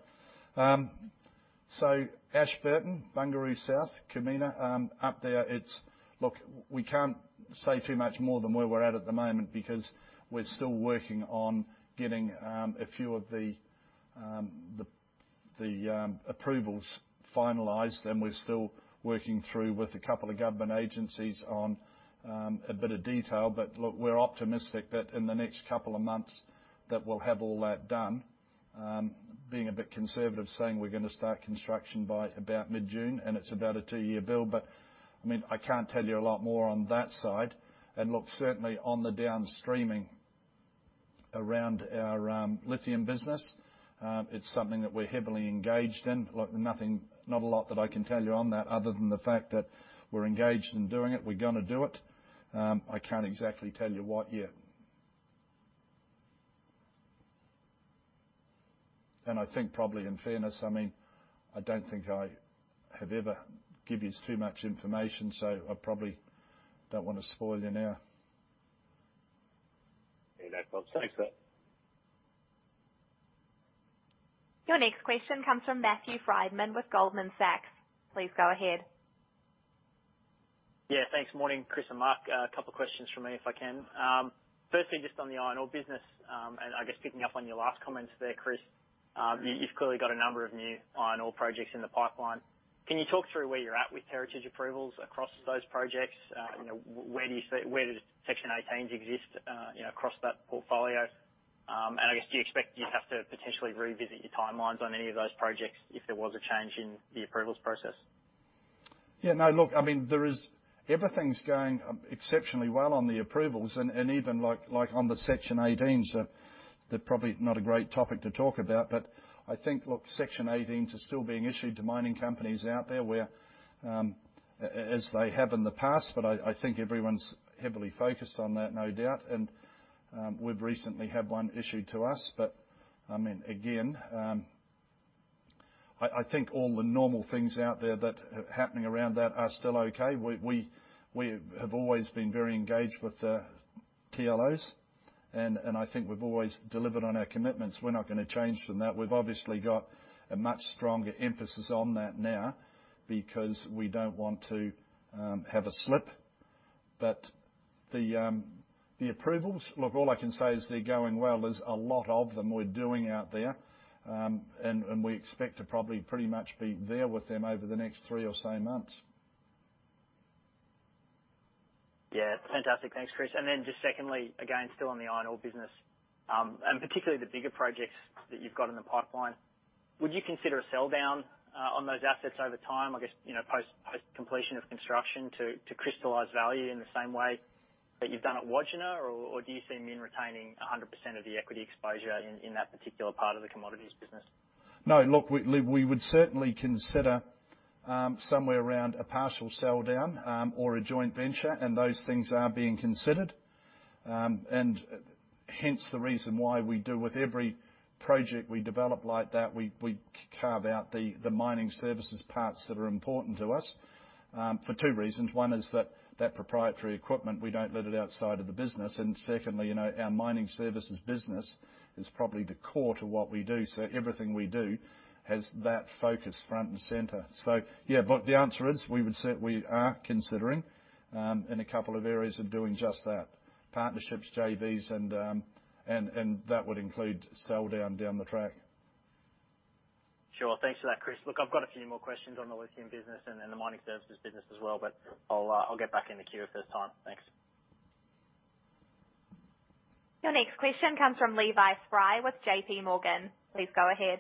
Ashburton, Bungaroo South, Kumina up there, look, we can't say too much more than where we're at at the moment because we're still working on getting a few of the approvals finalized, and we're still working through with a couple of government agencies on a bit of detail. Look, we're optimistic that in the next couple of months that we'll have all that done. Being a bit conservative, saying we're going to start construction by about mid-June, and it's about a two-year build, but I mean, I can't tell you a lot more on that side. Look, certainly on the downstreaming around our lithium business, it's something that we're heavily engaged in. Look, not a lot that I can tell you on that other than the fact that we're engaged in doing it. We're going to do it. I can't exactly tell you what yet. I think probably in fairness, I mean, I don't think I have ever give you too much information, so I probably don't want to spoil you now. Yeah, that's fine. Thanks. Your next question comes from Matthew Frydman with Goldman Sachs. Please go ahead. Yeah, thanks. Morning, Chris and Mark. A couple questions from me, if I can. Firstly, just on the iron ore business, and I guess picking up on your last comments there, Chris, you've clearly got a number of new iron ore projects in the pipeline. Can you talk through where you're at with heritage approvals across those projects? Where do you see where the Section 18s exist across that portfolio? I guess, do you expect you'd have to potentially revisit your timelines on any of those projects if there was a change in the approvals process? Yeah, no, look, I mean, everything's going exceptionally well on the approvals and even like, on the Section 18, so they're probably not a great topic to talk about. I think, look, Section 18s are still being issued to mining companies out there where as they have in the past. I think everyone's heavily focused on that, no doubt. We've recently had one issued to us. Again, I think all the normal things out there that are happening around that are still okay. We have always been very engaged with the TLOs, and I think we've always delivered on our commitments. We're not going to change from that. We've obviously got a much stronger emphasis on that now because we don't want to have a slip. The approvals, look, all I can say is they're going well. There's a lot of them we're doing out there. We expect to probably pretty much be there with them over the next three or so months. Yeah. Fantastic. Thanks, Chris. Then just secondly, again, still on the iron ore business, and particularly the bigger projects that you've got in the pipeline. Would you consider a sell down on those assets over time, I guess, post-completion of construction to crystallize value in the same way that you've done at Wodgina? Or do you see Min retaining 100% of the equity exposure in that particular part of the commodities business? No, look, we would certainly consider somewhere around a partial sell down or a joint venture. Those things are being considered. Hence the reason why we do with every project we develop like that, we carve out the mining services parts that are important to us, for two reasons. One is that proprietary equipment, we don't let it outside of the business. Secondly, our mining services business is probably the core to what we do. Everything we do has that focus front and center. Yeah, the answer is we are considering, in a couple of areas of doing just that, partnerships, JVs, and that would include sell down the track. Sure. Thanks for that, Chris. Look, I've got a few more questions on the lithium business and the mining services business as well, but I'll get back in the queue if there's time. Thanks. Your next question comes from Levi Spry with JPMorgan. Please go ahead.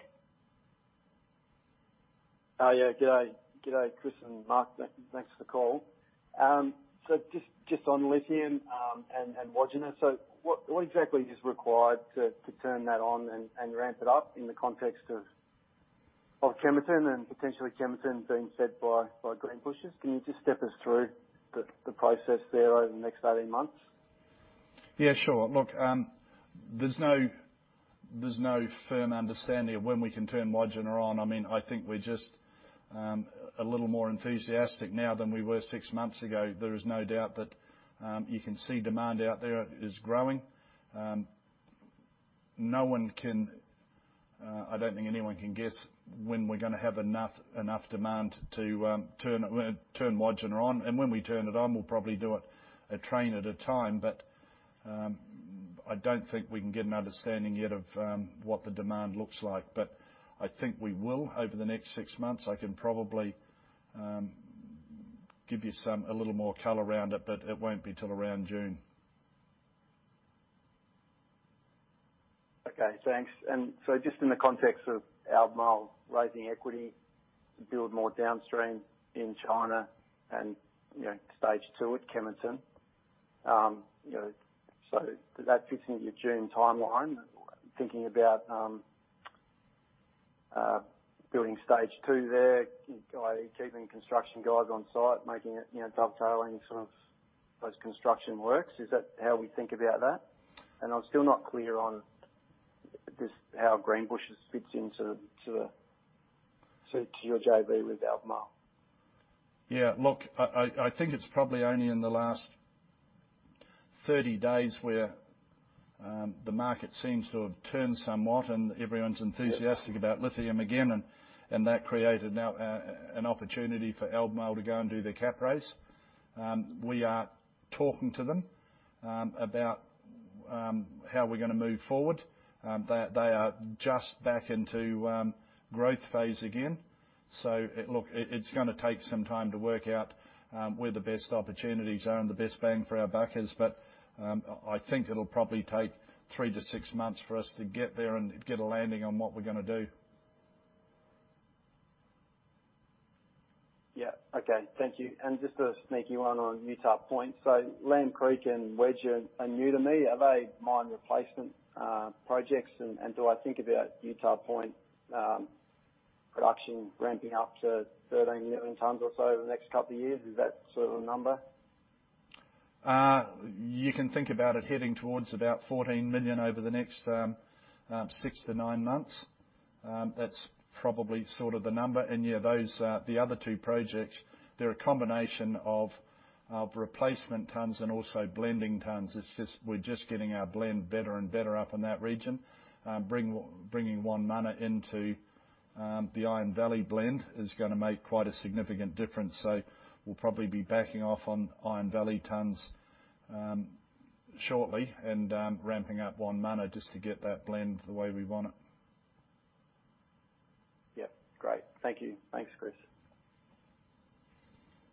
Yeah. G'day, Chris and Mark. Thanks for the call. Just on lithium and Wodgina. What exactly is required to turn that on and ramp it up in the context of Kemerton and potentially Kemerton being fed by Greenbushes? Can you just step us through the process there over the next 18 months? Yeah, sure. There's no firm understanding of when we can turn Wodgina on. I think we're just a little more enthusiastic now than we were six months ago. There is no doubt that you can see demand out there is growing. I don't think anyone can guess when we're going to have enough demand to turn Wodgina on. When we turn it on, we'll probably do it a train at a time. I don't think we can get an understanding yet of what the demand looks like. I think we will over the next six months. I can probably give you a little more color around it, but it won't be till around June. Okay, thanks. Just in the context of Albemarle raising equity to build more downstream in China and stage two at Kemerton. Does that fit into your June timeline? Thinking about building stage two there, keeping construction guys on site, dovetailing those construction works. Is that how we think about that? I'm still not clear on just how Greenbushes fits into to your JV with Albemarle. Yeah. Look, I think it's probably only in the last 30 days where the market seems to have turned somewhat and everyone's enthusiastic. Yeah. about lithium again, and that created now an opportunity for Albemarle to go and do their cap raise. We are talking to them about how we're going to move forward. They are just back into growth phase again. Look, it's going to take some time to work out where the best opportunities are and the best bang for our buck is. I think it'll probably take three to six months for us to get there and get a landing on what we're going to do. Yeah. Okay. Thank you. Just a sneaky one on Utah Point. Lamb Creek and Wedge are new to me. Are they mine replacement projects? Do I think about Utah Point production ramping up to 13 million tons or so over the next couple of years? Is that sort of a number? You can think about it heading towards about 14 million tons over the next six to nine months. That's probably sort of the number. Yeah, the other two projects, they're a combination of replacement tonnes and also blending tonnes. We're just getting our blend better and better up in that region. Bringing Wonmunna into the Iron Valley blend is going to make quite a significant difference. We'll probably be backing off on Iron Valley tonnes shortly and ramping up Wonmunna just to get that blend the way we want it. Yeah, great. Thank you. Thanks, Chris.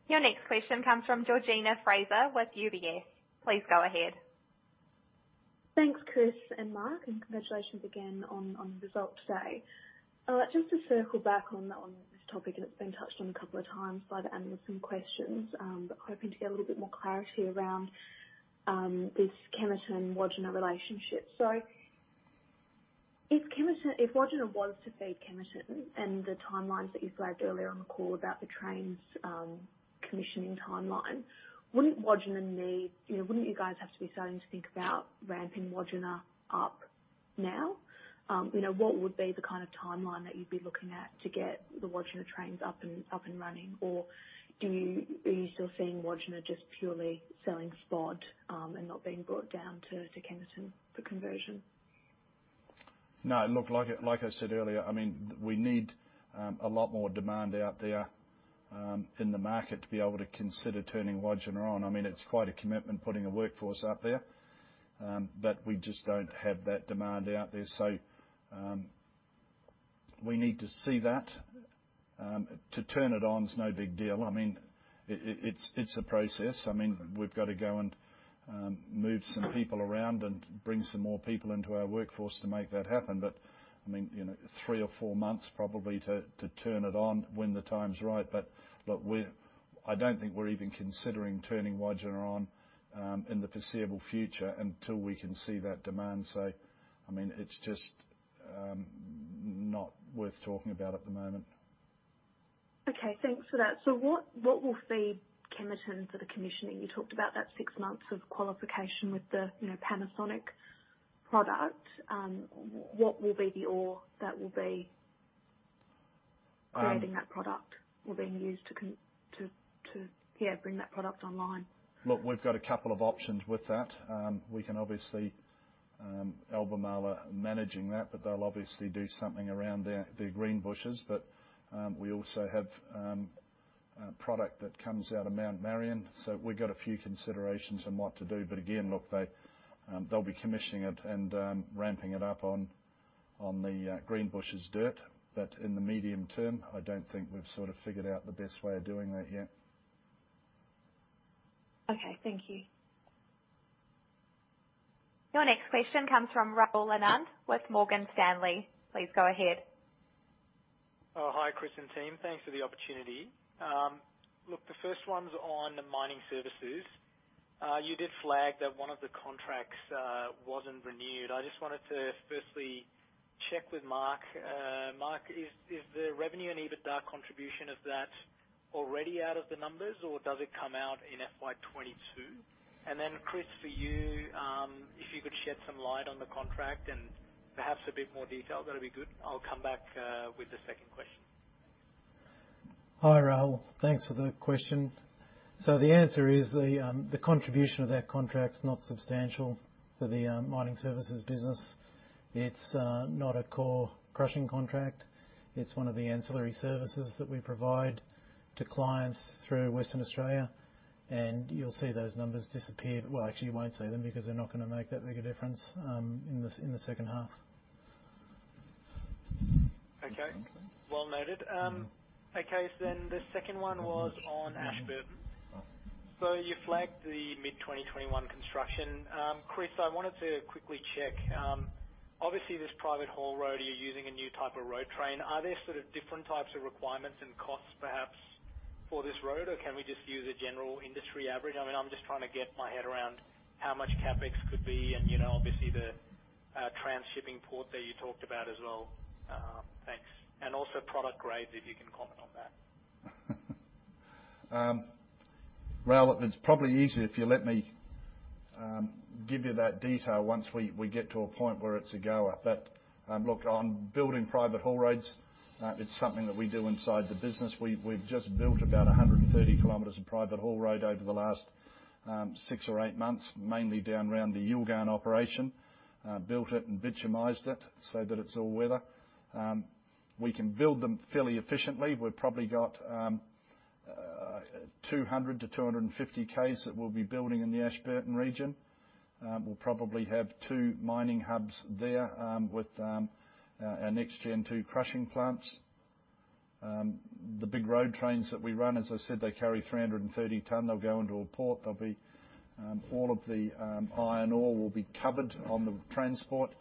Your next question comes from Georgina Fraser with UBS. Please go ahead. Thanks, Chris and Mark, and congratulations again on the result today. Just to circle back on this topic, and it's been touched on a couple of times by the analysts in questions. Hoping to get a little bit more clarity around this Kemerton-Wodgina relationship. If Wodgina was to feed Kemerton and the timelines that you flagged earlier on the call about the trains commissioning timeline, wouldn't you guys have to be starting to think about ramping Wodgina up now? What would be the kind of timeline that you'd be looking at to get the Wodgina trains up and running? Are you still seeing Wodgina just purely selling spod and not being brought down to Kemerton for conversion? No. Look, like I said earlier, we need a lot more demand out there in the market to be able to consider turning Wodgina on. It's quite a commitment putting a workforce out there. We just don't have that demand out there. We need to see that. To turn it on is no big deal. It's a process. We've got to go and move some people around and bring some more people into our workforce to make that happen. Three or four months probably to turn it on when the time's right. I don't think we're even considering turning Wodgina on in the foreseeable future until we can see that demand. It's just not worth talking about at the moment. Okay. Thanks for that. What will feed Kemerton for the commissioning? You talked about that six months of qualification with the Panasonic product. What will be the ore that will be creating that product or being used to bring that product online? Look, we've got a couple of options with that. Albemarle are managing that, but they'll obviously do something around their Greenbushes. We also have a product that comes out of Mount Marion. We've got a few considerations on what to do. Again, look, they'll be commissioning it and ramping it up on the Greenbushes dirt. In the medium term, I don't think we've sort of figured out the best way of doing that yet. Okay, thank you. Your next question comes from Rahul Anand with Morgan Stanley. Please go ahead. Oh, hi, Chris and team. Thanks for the opportunity. The first one's on mining services. You did flag that one of the contracts wasn't renewed. I just wanted to firstly check with Mark. Mark, is the revenue and EBITDA contribution of that already out of the numbers or does it come out in FY 2022? Chris, for you, if you could shed some light on the contract and perhaps a bit more detail, that'd be good. I'll come back with the second question. Hi, Rahul. Thanks for the question. The answer is the contribution of that contract's not substantial for the mining services business. It's not a core crushing contract. It's one of the ancillary services that we provide to clients through Western Australia, and you'll see those numbers disappear. Well, actually, you won't see them because they're not going to make that big a difference in the second half. Okay. Well noted. Okay, the second one was on Ashburton. You flagged the mid-2021 construction. Chris, I wanted to quickly check. Obviously, this private haul road, you're using a new type of road train. Are there sort of different types of requirements and costs perhaps for this road? Or can we just use a general industry average? I'm just trying to get my head around how much CapEx could be and obviously the transhipping port that you talked about as well. Thanks. Also product grades, if you can comment on that. Rahul, it's probably easier if you let me give you that detail once we get to a point where it's a goer. Look, on building private haul roads, it's something that we do inside the business. We've just built about 130 kilometers of private haul road over the last six or eight months, mainly down around the Yilgarn operation. Built it and bitumized it so that it's all weather. We can build them fairly efficiently. We've probably got 200 km-250 km that we'll be building in the Ashburton region. We'll probably have two mining hubs there with our NextGen II crushing plants. The big road trains that we run, as I said, they carry 330 tons. They'll go into a port. All of the iron ore will be covered on the transport,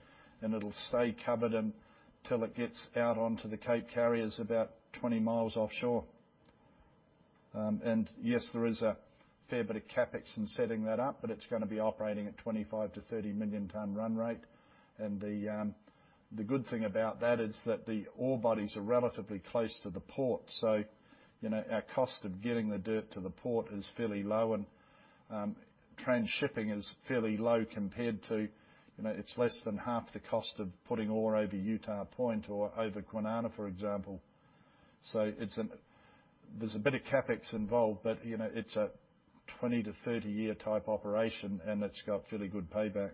and it'll stay covered until it gets out onto the cape carriers about 20 miles offshore. Yes, there is a fair bit of CapEx in setting that up, but it's going to be operating at 25 million-30 million ton run rate. The good thing about that is that the ore bodies are relatively close to the port. Our cost of getting the dirt to the port is fairly low and transshipping is fairly low. It's less than half the cost of putting ore over Utah Point or over Kwinana, for example. There's a bit of CapEx involved, but it's a 20-30-year type operation, and it's got fairly good payback.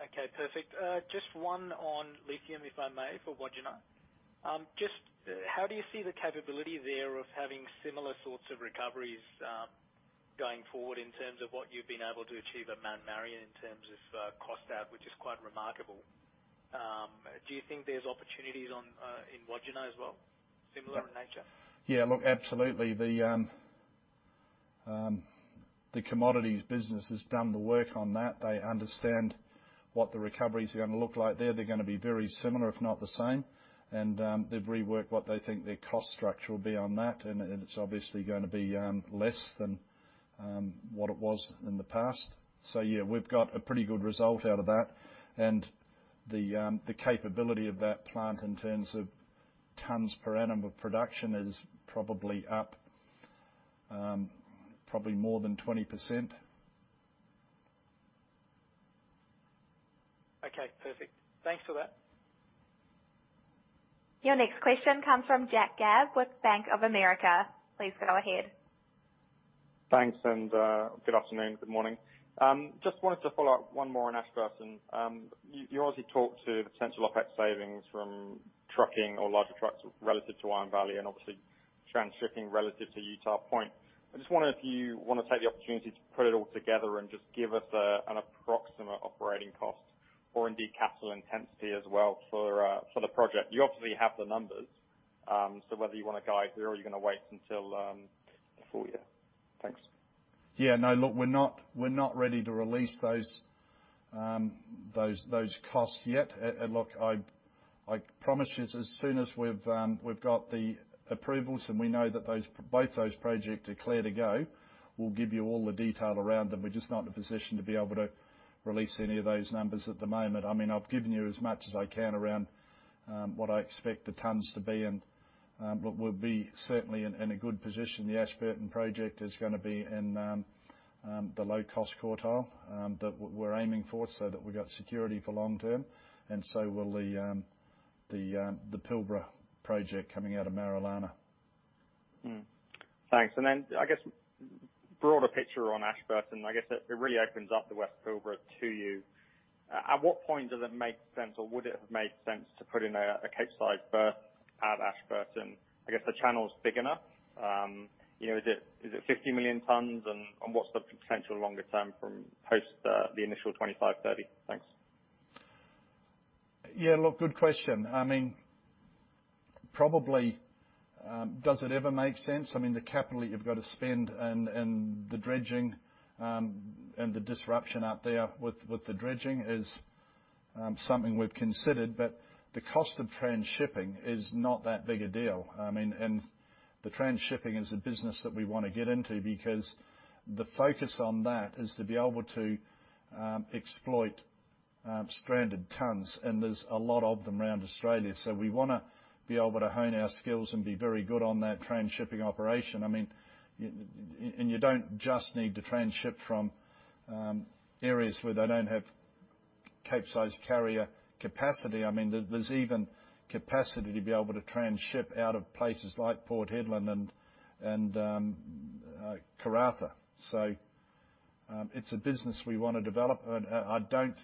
Okay, perfect. Just one on lithium, if I may, for Wodgina. Just how do you see the capability there of having similar sorts of recoveries going forward in terms of what you've been able to achieve at Mount Marion in terms of cost out, which is quite remarkable? Do you think there's opportunities in Wodgina as well, similar in nature? Yeah, look, absolutely. The commodities business has done the work on that. They understand what the recovery's going to look like there. They're going to be very similar, if not the same. They've reworked what they think their cost structure will be on that, and it's obviously going to be less than what it was in the past. Yeah, we've got a pretty good result out of that. The capability of that plant in terms of tons per annum of production is probably up more than 20%. Okay, perfect. Thanks for that. Your next question comes from Jack Gabb with Bank of America. Please go ahead. Thanks, good afternoon. Good morning. Just wanted to follow up one more on Ashburton. You obviously talked to the potential OpEx savings from trucking or larger trucks relative to Iron Valley and obviously transshipping relative to Utah Point. I just wonder if you want to take the opportunity to put it all together and just give us an approximate operating cost or indeed capital intensity as well for the project. You obviously have the numbers, whether you want to guide here or you're going to wait until the full year. Thanks. Yeah. No, look, we're not ready to release those costs yet. Look, I promise you as soon as we've got the approvals and we know that both those projects are clear to go, we'll give you all the detail around them. We're just not in a position to be able to release any of those numbers at the moment. I've given you as much as I can around what I expect the tons to be, and look, we'll be certainly in a good position. The Ashburton project is going to be in the low-cost quartile that we're aiming for so that we've got security for long-term, and so will the Pilbara project coming out of Marillana. Thanks. Broader picture on Ashburton, I guess it really opens up the West Pilbara to you. At what point does it make sense or would it have made sense to put in a Capesize berth at Ashburton? I guess the channel's big enough. Is it 50 million tons and, what's the potential longer term from post the initial 25 million-30 million tonnes? Thanks. Yeah, look, good question. Probably, does it ever make sense? The capital you've got to spend and the dredging, and the disruption out there with the dredging is something we've considered, but the cost of transshipping is not that big a deal. The transshipping is a business that we want to get into because the focus on that is to be able to exploit stranded tons, and there's a lot of them around Australia. We want to be able to hone our skills and be very good on that transshipping operation. You don't just need to transship from areas where they don't have Capesize carrier capacity. There's even capacity to be able to transship out of places like Port Hedland and Karratha. It's a business we want to develop. I don't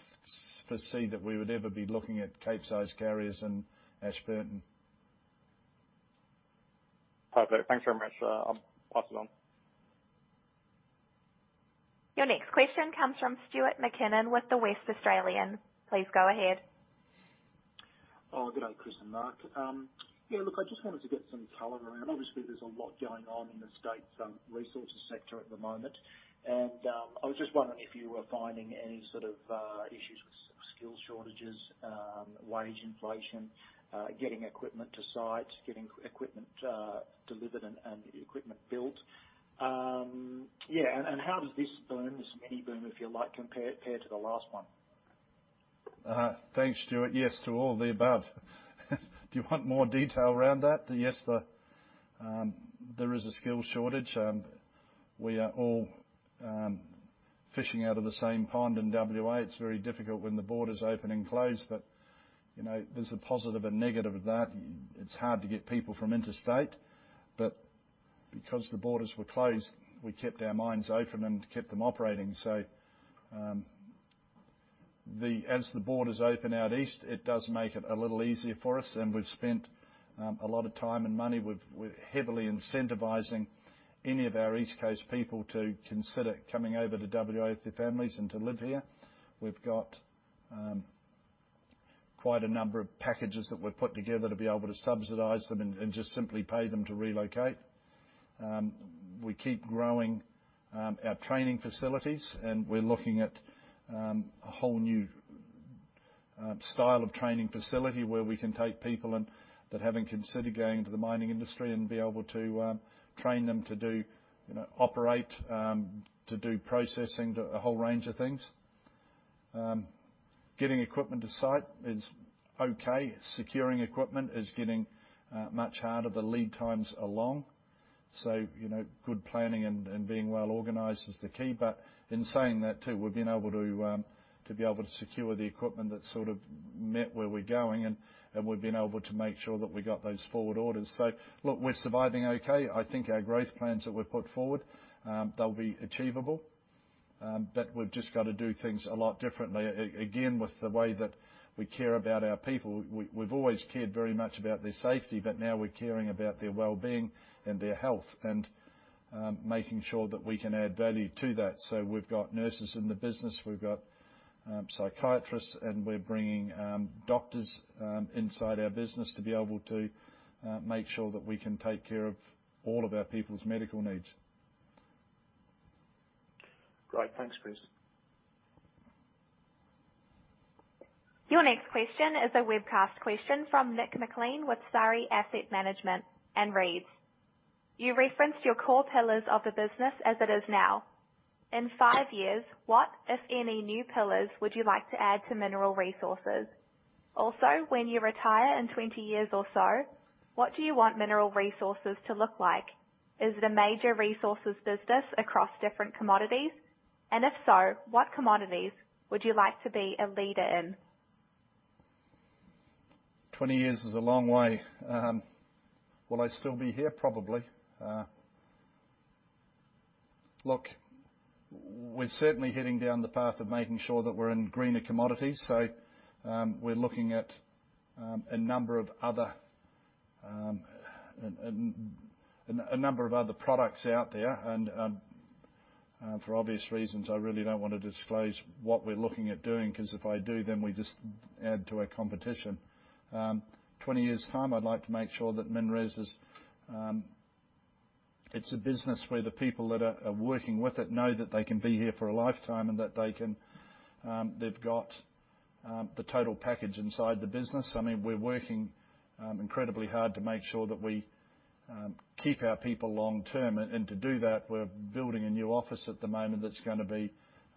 foresee that we would ever be looking at Capesize carriers in Ashburton. Perfect. Thanks very much. I'll pass it on. Your next question comes from Stuart McKinnon with The West Australian. Please go ahead. Good day, Chris and Mark. Yeah, look, I just wanted to get some color around. Obviously, there's a lot going on in the state's resources sector at the moment. I was just wondering if you were finding any sort of issues with skill shortages, wage inflation, getting equipment to site, getting equipment delivered and equipment built. Yeah, how does this boom, this mini boom, if you like, compare to the last one? Thanks, Stuart. Yes to all of the above. Do you want more detail around that? Yes, there is a skills shortage. We are all fishing out of the same pond in WA. It's very difficult when the borders open and close, but there's a positive and negative of that. It's hard to get people from interstate, but because the borders were closed, we kept our mines open and kept them operating. As the borders open out east, it does make it a little easier for us. We've spent a lot of time and money with heavily incentivizing any of our East Coast people to consider coming over to WA with their families and to live here. We've got quite a number of packages that we've put together to be able to subsidize them and just simply pay them to relocate. We keep growing our training facilities, and we're looking at a whole new style of training facility where we can take people that haven't considered going into the mining industry and be able to train them to operate, to do processing, to a whole range of things. Getting equipment to site is okay. Securing equipment is getting much harder. The lead times are long. Good planning and being well organized is the key. In saying that too, we've been able to secure the equipment that sort of met where we're going and we've been able to make sure that we got those forward orders. Look, we're surviving okay. I think our growth plans that we've put forward, they'll be achievable. We've just got to do things a lot differently. Again, with the way that we care about our people. We've always cared very much about their safety. Now we're caring about their wellbeing and their health and making sure that we can add value to that. We've got nurses in the business. We've got psychiatrists. We're bringing doctors inside our business to be able to make sure that we can take care of all of our people's medical needs. Great. Thanks, Chris. Your next question is a webcast question from Nick McLean with Sarasin Asset Management and reads: You referenced your core pillars of the business as it is now. In five years, what, if any, new pillars would you like to add to Mineral Resources? Also, when you retire in 20 years or so, what do you want Mineral Resources to look like? Is it a major resources business across different commodities? If so, what commodities would you like to be a leader in? 20 years is a long way. Will I still be here? Probably. Look, we're certainly heading down the path of making sure that we're in greener commodities. We're looking at a number of other products out there. For obvious reasons, I really don't want to disclose what we're looking at doing, because if I do, then we just add to our competition. 20 years' time, I'd like to make sure that MinRes is a business where the people that are working with it know that they can be here for a lifetime and that they've got the total package inside the business. We're working incredibly hard to make sure that we keep our people long-term. To do that, we're building a new office at the moment that's going to be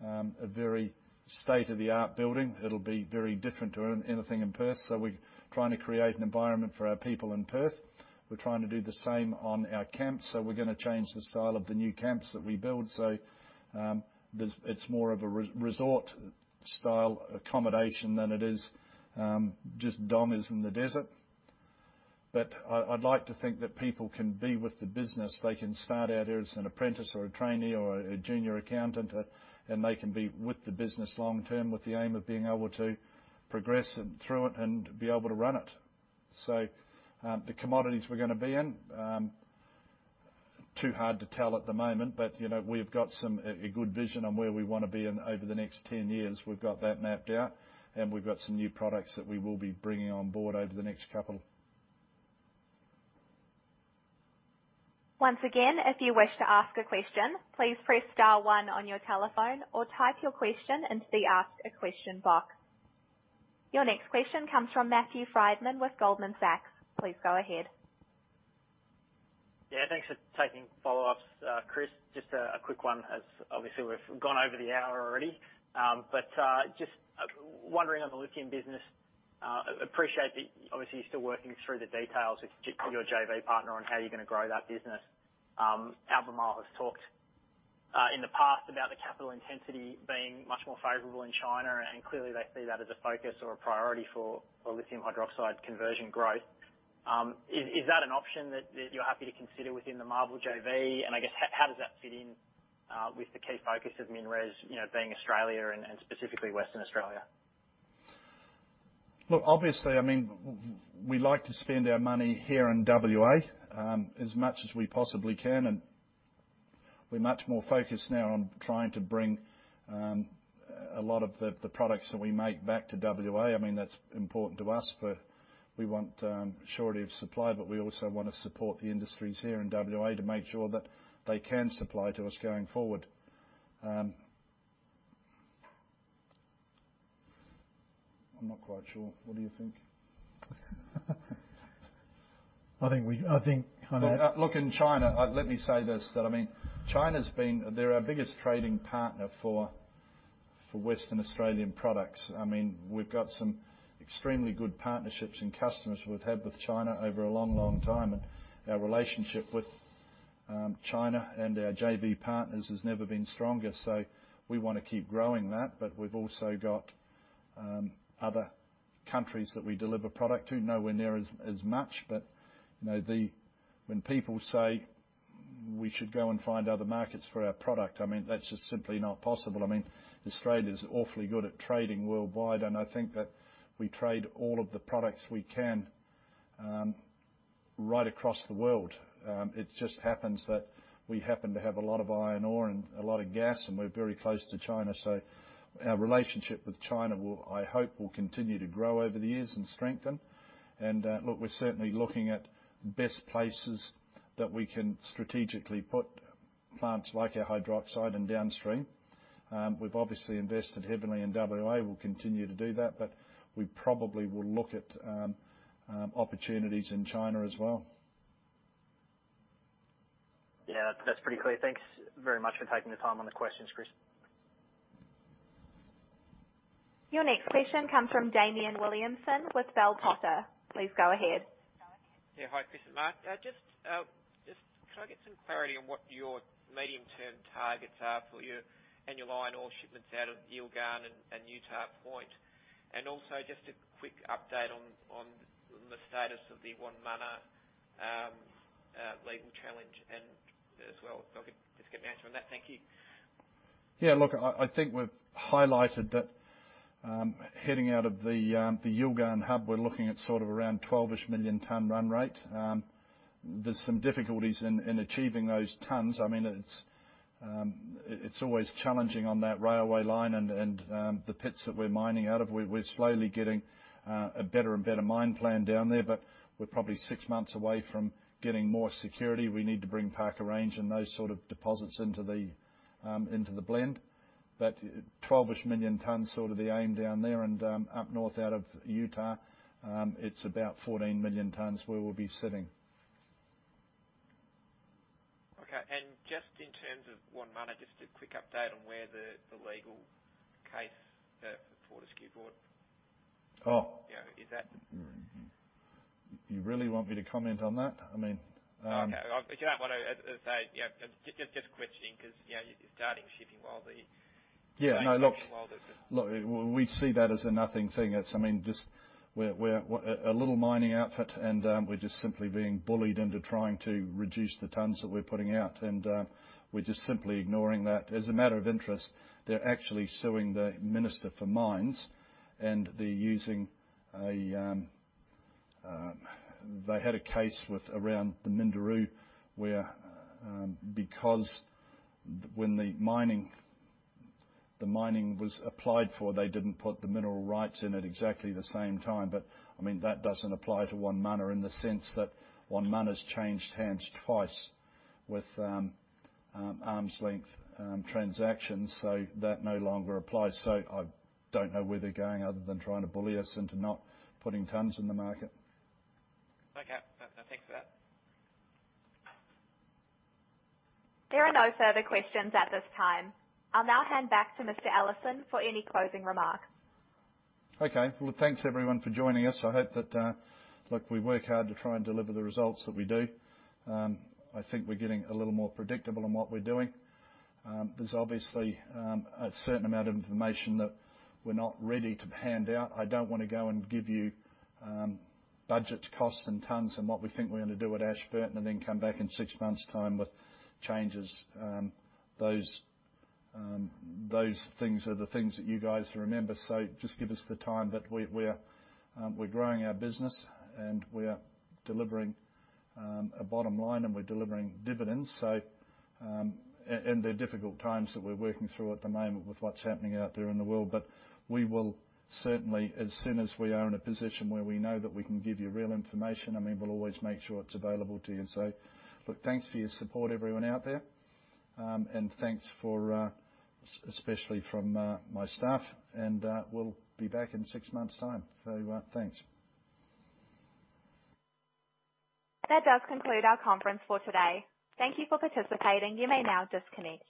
a very state-of-the-art building. It'll be very different to anything in Perth. We're trying to create an environment for our people in Perth. We're trying to do the same on our camps. We're going to change the style of the new camps that we build. It's more of a resort-style accommodation than it is just dorms in the desert. I'd like to think that people can be with the business. They can start out here as an apprentice or a trainee or a junior accountant, and they can be with the business long-term with the aim of being able to progress through it and be able to run it. The commodities we're going to be in, too hard to tell at the moment, but we've got a good vision on where we want to be in over the next 10 years. We've got that mapped out, and we've got some new products that we will be bringing on board over the next couple. Your next question comes from Matthew Frydman with Goldman Sachs. Please go ahead. Yeah, thanks for taking follow-ups, Chris. Just a quick one as obviously we've gone over the hour already. Just wondering on the lithium business. Appreciate that obviously you're still working through the details with your JV partner on how you're going to grow that business. Albemarle has talked in the past about the capital intensity being much more favorable in China, and clearly they see that as a focus or a priority for lithium hydroxide conversion growth. Is that an option that you're happy to consider within the MARBL JV? I guess how does that fit in with the key focus of MinRes being Australia and specifically Western Australia? Look, obviously, we like to spend our money here in WA as much as we possibly can, and we're much more focused now on trying to bring a lot of the products that we make back to WA. That's important to us. We want surety of supply, but we also want to support the industries here in WA to make sure that they can supply to us going forward. I'm not quite sure. What do you think? I think. Look, in China, let me say this, they're our biggest trading partner for Western Australian products. We've got some extremely good partnerships and customers we've had with China over a long, long time. Our relationship with China and our JV partners has never been stronger. We want to keep growing that. We've also got other countries that we deliver product to. Nowhere near as much, but when people say we should go and find other markets for our product, that's just simply not possible. Australia's awfully good at trading worldwide, and I think that we trade all of the products we can right across the world. It just happens that we happen to have a lot of iron ore and a lot of gas, and we're very close to China. Our relationship with China I hope will continue to grow over the years and strengthen. Look, we're certainly looking at best places that we can strategically put plants like our hydroxide and downstream. We've obviously invested heavily in WA. We'll continue to do that, but we probably will look at opportunities in China as well. Yeah, that's pretty clear. Thanks very much for taking the time on the questions, Chris. Your next question comes from Damien Williamson with Bell Potter. Please go ahead. Yeah. Hi, Chris and Mark. Just, can I get some clarity on what your medium-term targets are for your annual iron ore shipments out of Yilgarn and Utah Point? Also just a quick update on the status of the Wonmunna legal challenge as well. If I could just get an answer on that. Thank you. Look, I think we've highlighted that heading out of the Yilgarn Hub, we're looking at around 12-ish million ton run rate. There's some difficulties in achieving those tons. It's always challenging on that railway line and the pits that we're mining out of. We're slowly getting a better and better mine plan down there, but we're probably six months away from getting more security. We need to bring Parker Range and those sort of deposits into the blend. 12-ish million tons, the aim down there and up north out of Utah. It's about 14 million tons where we'll be sitting. Okay. Just in terms of Wonmunna, just a quick update on where the legal case for Fortescue is at. You really want me to comment on that? Okay. If you don't want to say, just questioning because you're starting shipping. Yeah, no, look. We see that as a nothing thing. We're a little mining outfit, and we're just simply being bullied into trying to reduce the tons that we're putting out, and we're just simply ignoring that. As a matter of interest, they're actually suing the minister for mines. They had a case around the Minderoo where because when the mining was applied for, they didn't put the mineral rights in at exactly the same time. That doesn't apply to Wonmunna in the sense that Wonmunna's changed hands twice with arm's length transactions. That no longer applies. I don't know where they're going other than trying to bully us into not putting tons in the market. Okay. No, thanks for that. There are no further questions at this time. I'll now hand back to Mr. Ellison for any closing remarks. Okay. Well, thanks, everyone, for joining us. Look, we work hard to try and deliver the results that we do. I think we're getting a little more predictable in what we're doing. There's obviously a certain amount of information that we're not ready to hand out. I don't want to go and give you budget costs in tons and what we think we're going to do at Ashburton and then come back in six months' time with changes. Those things are the things that you guys remember. Just give us the time. We're growing our business, and we're delivering a bottom line, and we're delivering dividends. They're difficult times that we're working through at the moment with what's happening out there in the world. We will certainly, as soon as we are in a position where we know that we can give you real information, we'll always make sure it's available to you. Look, thanks for your support everyone out there. Thanks especially from my staff, and we'll be back in six months' time. Thanks. That does conclude our conference for today. Thank you for participating. You may now disconnect.